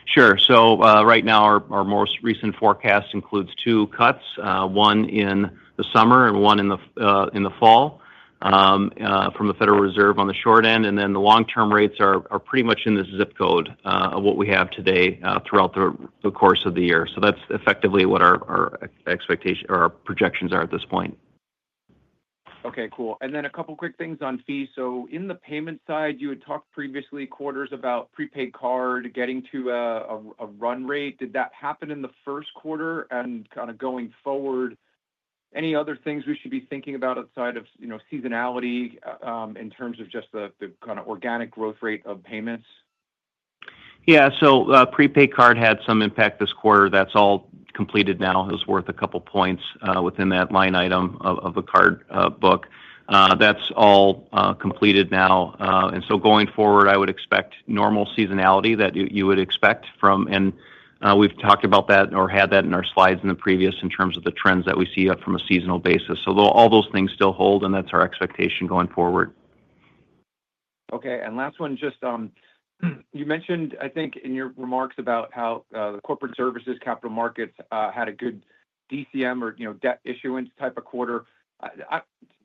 Sure. Right now, our most recent forecast includes two cuts, one in the summer and one in the fall from the Federal Reserve on the short end. The long-term rates are pretty much in the zip code of what we have today throughout the course of the year. That is effectively what our projections are at this point. Okay. Cool. A couple of quick things on fees. In the payment side, you had talked previously quarters about prepaid card getting to a run rate. Did that happen in the first quarter? Going forward, any other things we should be thinking about outside of seasonality in terms of just the kind of organic growth rate of payments? Yeah. So prepaid card had some impact this quarter. That's all completed now. It was worth a couple of points within that line item of the card book. That's all completed now. Going forward, I would expect normal seasonality that you would expect from. We have talked about that or had that in our slides previously in terms of the trends that we see up from a seasonal basis. All those things still hold, and that's our expectation going forward. Okay. Last one, just you mentioned, I think, in your remarks about how the corporate services capital markets had a good DCM or debt issuance type of quarter.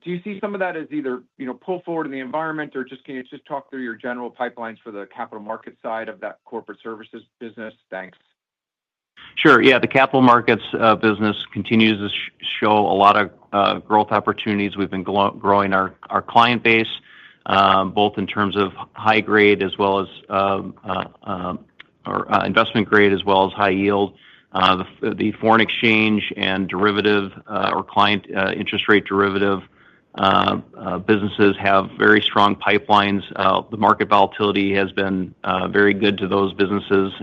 Do you see some of that as either pull forward in the environment, or can you just talk through your general pipelines for the capital market side of that corporate services business? Thanks. Sure. Yeah. The capital markets business continues to show a lot of growth opportunities. We've been growing our client base both in terms of high grade as well as or investment grade as well as high yield. The Foreign Exchange and derivative or client interest rate derivative businesses have very strong pipelines. The market volatility has been very good to those businesses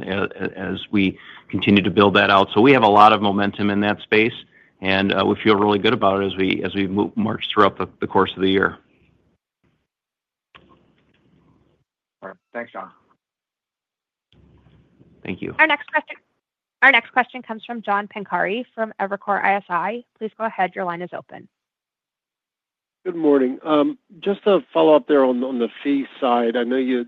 as we continue to build that out. We have a lot of momentum in that space, and we feel really good about it as we march throughout the course of the year. All right. Thanks, John. Thank you. Our next question comes from John Pancari from Evercore ISI. Please go ahead. Your line is open. Good morning. Just to follow up there on the fee side, I know you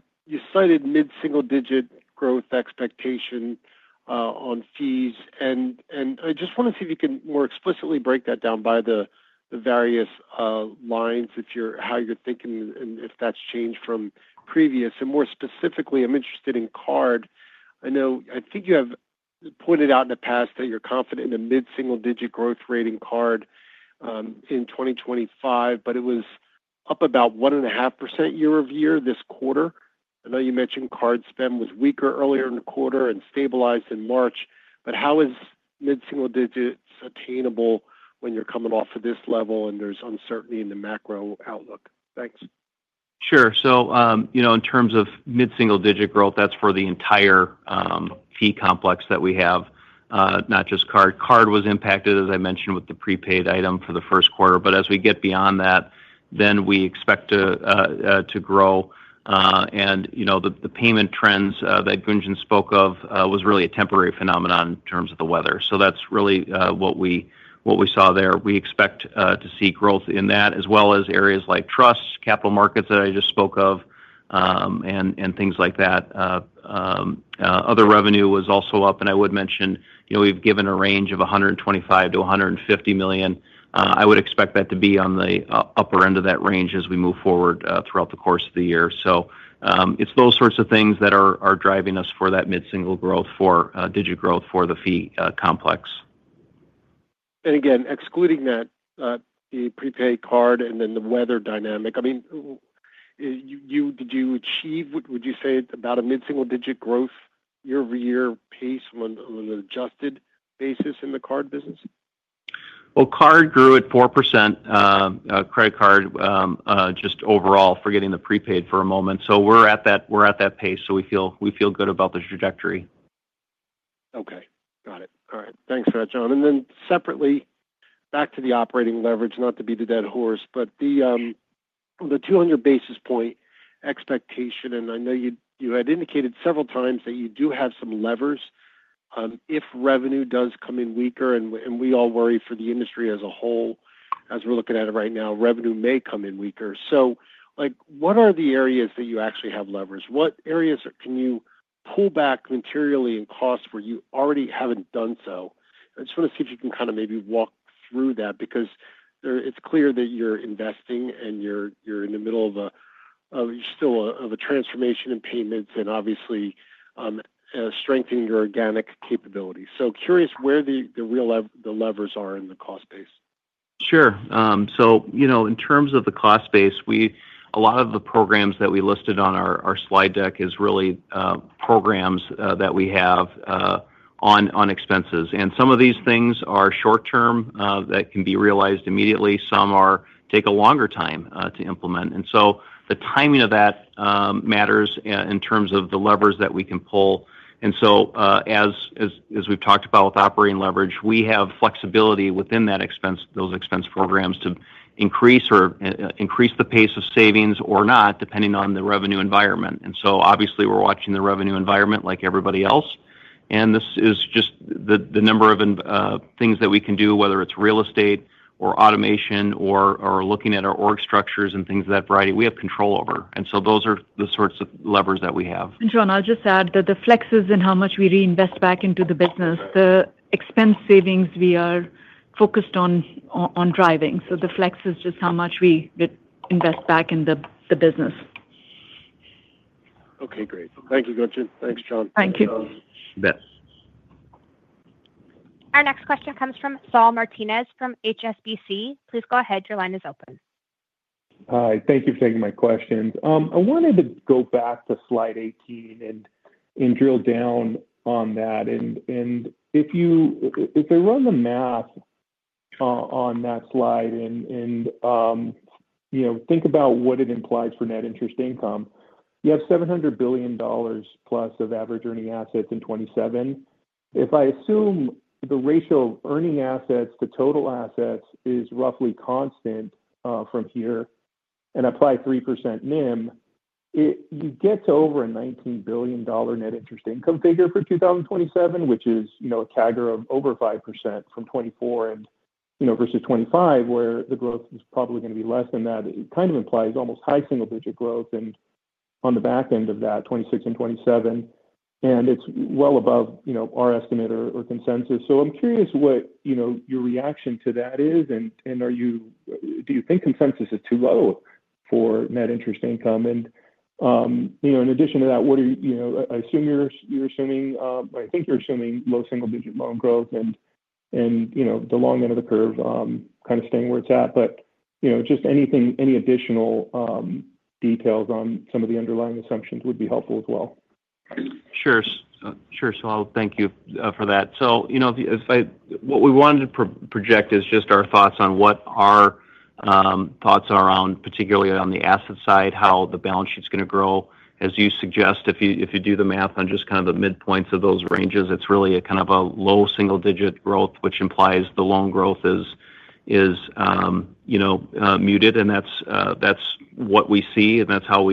cited mid-single-digit growth expectation on fees. I just want to see if you can more explicitly break that down by the various lines, how you're thinking, and if that's changed from previous. More specifically, I'm interested in card. I think you have pointed out in the past that you're confident in a mid-single-digit growth rate in card in 2025, but it was up about 1.5% year over year this quarter. I know you mentioned card spend was weaker earlier in the quarter and stabilized in March. How is mid-single digits attainable when you're coming off of this level and there's uncertainty in the macro outlook? Thanks. Sure. In terms of mid-single-digit growth, that's for the entire fee complex that we have, not just card. Card was impacted, as I mentioned, with the prepaid item for the first quarter. As we get beyond that, we expect to grow. The payment trends that Gunjan spoke of were really a temporary phenomenon in terms of the weather. That is really what we saw there. We expect to see growth in that, as well as areas like Trust, capital markets that I just spoke of, and things like that. Other revenue was also up. I would mention we've given a range of $125 million-$150 million. I would expect that to be on the upper end of that range as we move forward throughout the course of the year. It is those sorts of things that are driving us for that mid-single digit growth for the fee complex. Again, excluding that, the prepaid card and then the weather dynamic, I mean, did you achieve, would you say, about a mid-single-digit growth year over year pace on an adjusted basis in the card business? Card grew at 4%, credit card just overall, forgetting the prepaid for a moment. We are at that pace. We feel good about the trajectory. Okay. Got it. All right. Thanks for that, John. Separately, back to the operating leverage, not to be the dead horse, but the 200 basis point expectation. I know you had indicated several times that you do have some levers if revenue does come in weaker. We all worry for the industry as a whole. As we're looking at it right now, revenue may come in weaker. What are the areas that you actually have levers? What areas can you pull back materially in cost where you already have not done so? I just want to see if you can kind of maybe walk through that because it is clear that you're investing and you're in the middle of a still of a transformation in payments and obviously strengthening your organic capability. Curious where the levers are in the cost base. Sure. In terms of the cost base, a lot of the programs that we listed on our slide deck is really programs that we have on expenses. Some of these things are short-term that can be realized immediately. Some take a longer time to implement. The timing of that matters in terms of the levers that we can pull. As we have talked about with operating leverage, we have flexibility within those expense programs to increase or increase the pace of savings or not, depending on the revenue environment. Obviously, we are watching the revenue environment like everybody else. This is just the number of things that we can do, whether it is real estate or automation or looking at our org structures and things of that variety, we have control over. Those are the sorts of levers that we have. John, I'll just add that the flex is in how much we reinvest back into the business. The expense savings, we are focused on driving. The flex is just how much we invest back in the business. Okay. Great. Thank you, Gunjan. Thanks, John. Thank you. Thanks, John. Our next question comes from Saul Martinez from HSBC. Please go ahead. Your line is open. Hi. Thank you for taking my questions. I wanted to go back to Slide 18 and drill down on that. If I run the math on that slide and think about what it implies for net interest income, you have $700 billion plus of average earning assets in 2027. If I assume the ratio of earning assets to total assets is roughly constant from here and apply 3% NIM, you get to over a $19 billion net interest income figure for 2027, which is a CAGR of over 5% from 2024 versus 2025, where the growth is probably going to be less than that. It kind of implies almost high single-digit growth on the back end of that 2026 and 2027. It is well above our estimate or consensus. I am curious what your reaction to that is. Do you think consensus is too low for net interest income? In addition to that, I assume you're assuming, I think you're assuming low single-digit loan growth and the long end of the curve kind of staying where it's at. Just any additional details on some of the underlying assumptions would be helpful as well. Sure. Sure. Saul, thank you for that. What we wanted to project is just our thoughts on what our thoughts are on, particularly on the asset side, how the balance sheet's going to grow. As you suggest, if you do the math on just kind of the midpoints of those ranges, it's really kind of a low single-digit growth, which implies the loan growth is muted. That's what we see, and that's what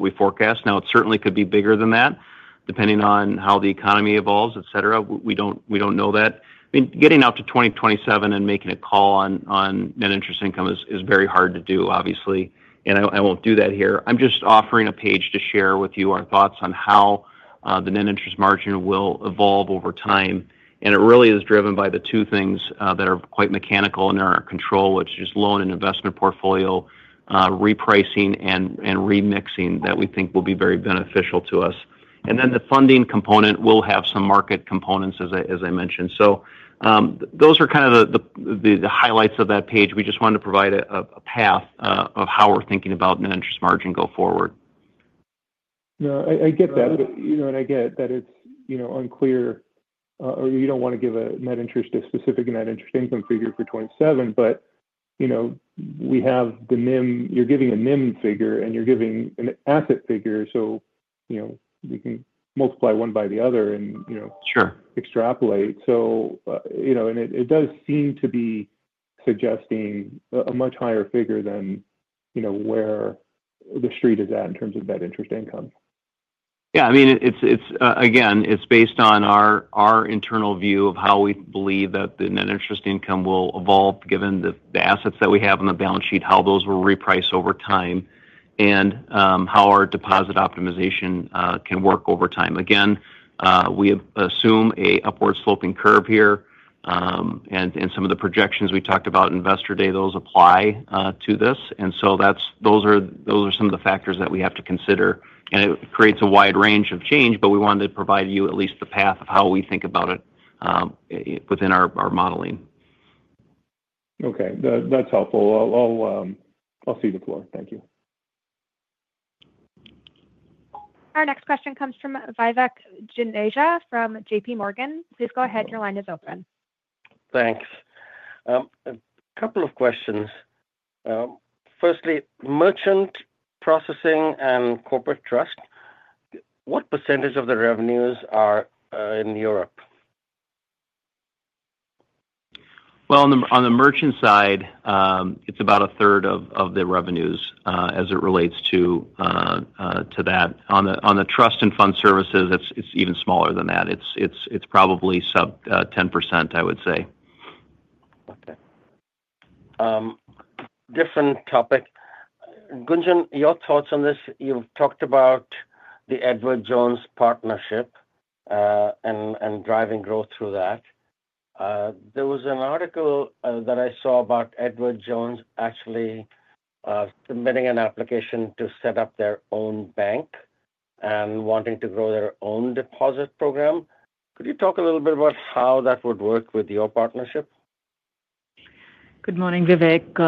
we forecast. Now, it certainly could be bigger than that, depending on how the economy evolves, etc. We don't know that. I mean, getting out to 2027 and making a call on net interest income is very hard to do, obviously. I won't do that here. I'm just offering a page to share with you our thoughts on how the net interest margin will evolve over time. It really is driven by the two things that are quite mechanical in our control, which is loan and investment portfolio repricing and remixing that we think will be very beneficial to us. The funding component will have some market components, as I mentioned. Those are kind of the highlights of that page. We just wanted to provide a path of how we're thinking about net interest margin go forward. Yeah. I get that. I get that it's unclear or you don't want to give a net interest, a specific net interest income figure for 2027, but we have the NIM. You're giving a NIM figure, and you're giving an asset figure. We can multiply one by the other and extrapolate. It does seem to be suggesting a much higher figure than where the street is at in terms of net interest income. Yeah. I mean, again, it's based on our internal view of how we believe that the net interest income will evolve given the assets that we have on the balance sheet, how those will reprice over time, and how our deposit optimization can work over time. Again, we assume an upward-sloping curve here. Some of the projections we talked about investor day, those apply to this. Those are some of the factors that we have to consider. It creates a wide range of change, but we wanted to provide you at least the path of how we think about it within our modeling. Okay. That's helpful. I'll cede the floor. Thank you. Our next question comes from Vivek Juneja from JPMorgan. Please go ahead. Your line is open. Thanks. A couple of questions. Firstly, merchant processing and Corporate Trust, what percentage of the revenues are in Europe? On the merchant side, it's about a third of the revenues as it relates to that. On the Trust and Fund Services, it's even smaller than that. It's probably sub 10%, I would say. Okay. Different topic. Gunjan, your thoughts on this? You've talked about the Edward Jones partnership and driving growth through that. There was an article that I saw about Edward Jones actually submitting an application to set up their own bank and wanting to grow their own deposit program. Could you talk a little bit about how that would work with your partnership? Good morning, Vivek.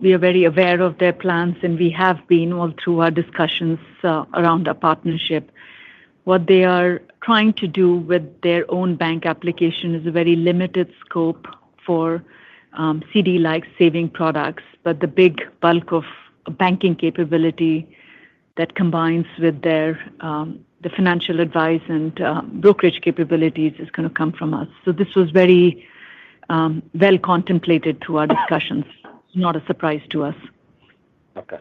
We are very aware of their plans, and we have been all through our discussions around our partnership. What they are trying to do with their own bank application is a very limited scope for CD-like saving products. The big bulk of banking capability that combines with the financial advice and brokerage capabilities is going to come from us. This was very well contemplated through our discussions. It's not a surprise to us. Okay.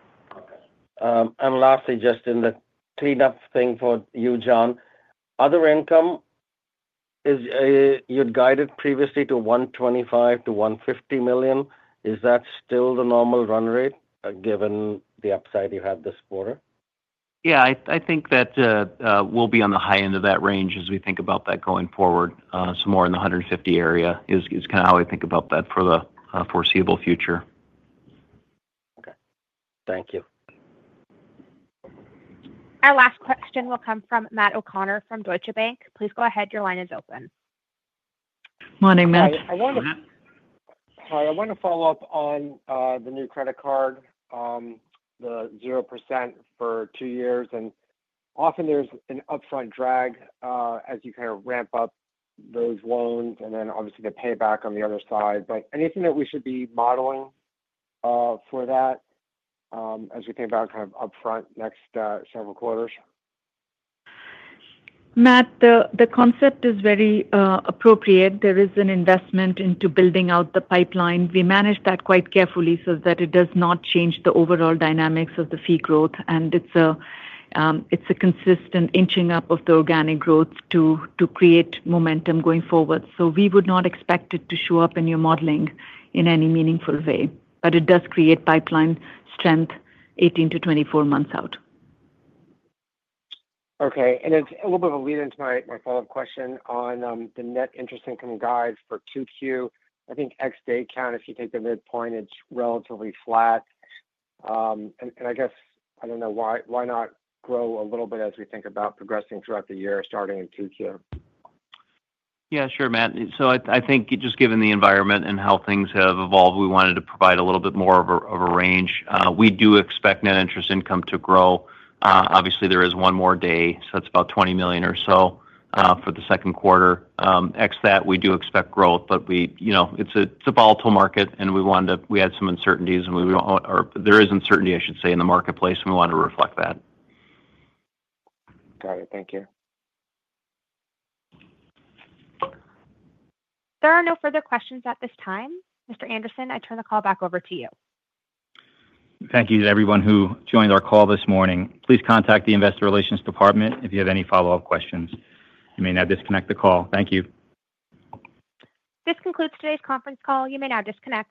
Okay. Lastly, just in the cleanup thing for you, John, other income, you'd guided previously to $125 million-$150 million. Is that still the normal run rate given the upside you have this quarter? Yeah. I think that we'll be on the high end of that range as we think about that going forward, somewhere in the 150 area is kind of how I think about that for the foreseeable future. Okay. Thank you. Our last question will come from Matt O'Connor from Deutsche Bank. Please go ahead. Your line is open. Morning, Matt. Hi. I want to follow up on the new credit card, the 0% for two years. Often, there's an upfront drag as you kind of ramp up those loans and then obviously the payback on the other side. Anything that we should be modeling for that as we think about kind of upfront next several quarters? Matt, the concept is very appropriate. There is an investment into building out the pipeline. We manage that quite carefully so that it does not change the overall dynamics of the fee growth. It is a consistent inching up of the organic growth to create momentum going forward. We would not expect it to show up in your modeling in any meaningful way. It does create pipeline strength 18-24 months out. Okay. It's a little bit of a lead-in to my follow-up question on the net interest income guide for 2Q. I think ex-day count, if you take the midpoint, it's relatively flat. I guess I don't know why not grow a little bit as we think about progressing throughout the year starting in 2Q. Yeah. Sure, Matt. I think just given the environment and how things have evolved, we wanted to provide a little bit more of a range. We do expect net interest income to grow. Obviously, there is one more day, so it is about $20 million or so for the second quarter. Excluding that, we do expect growth, but it is a volatile market, and we had some uncertainties. There is uncertainty, I should say, in the marketplace, and we wanted to reflect that. Got it. Thank you. There are no further questions at this time. Mr. Andersen, I turn the call back over to you. Thank you to everyone who joined our call this morning. Please contact the investor relations department if you have any follow-up questions. You may now disconnect the call. Thank you. This concludes today's conference call. You may now disconnect.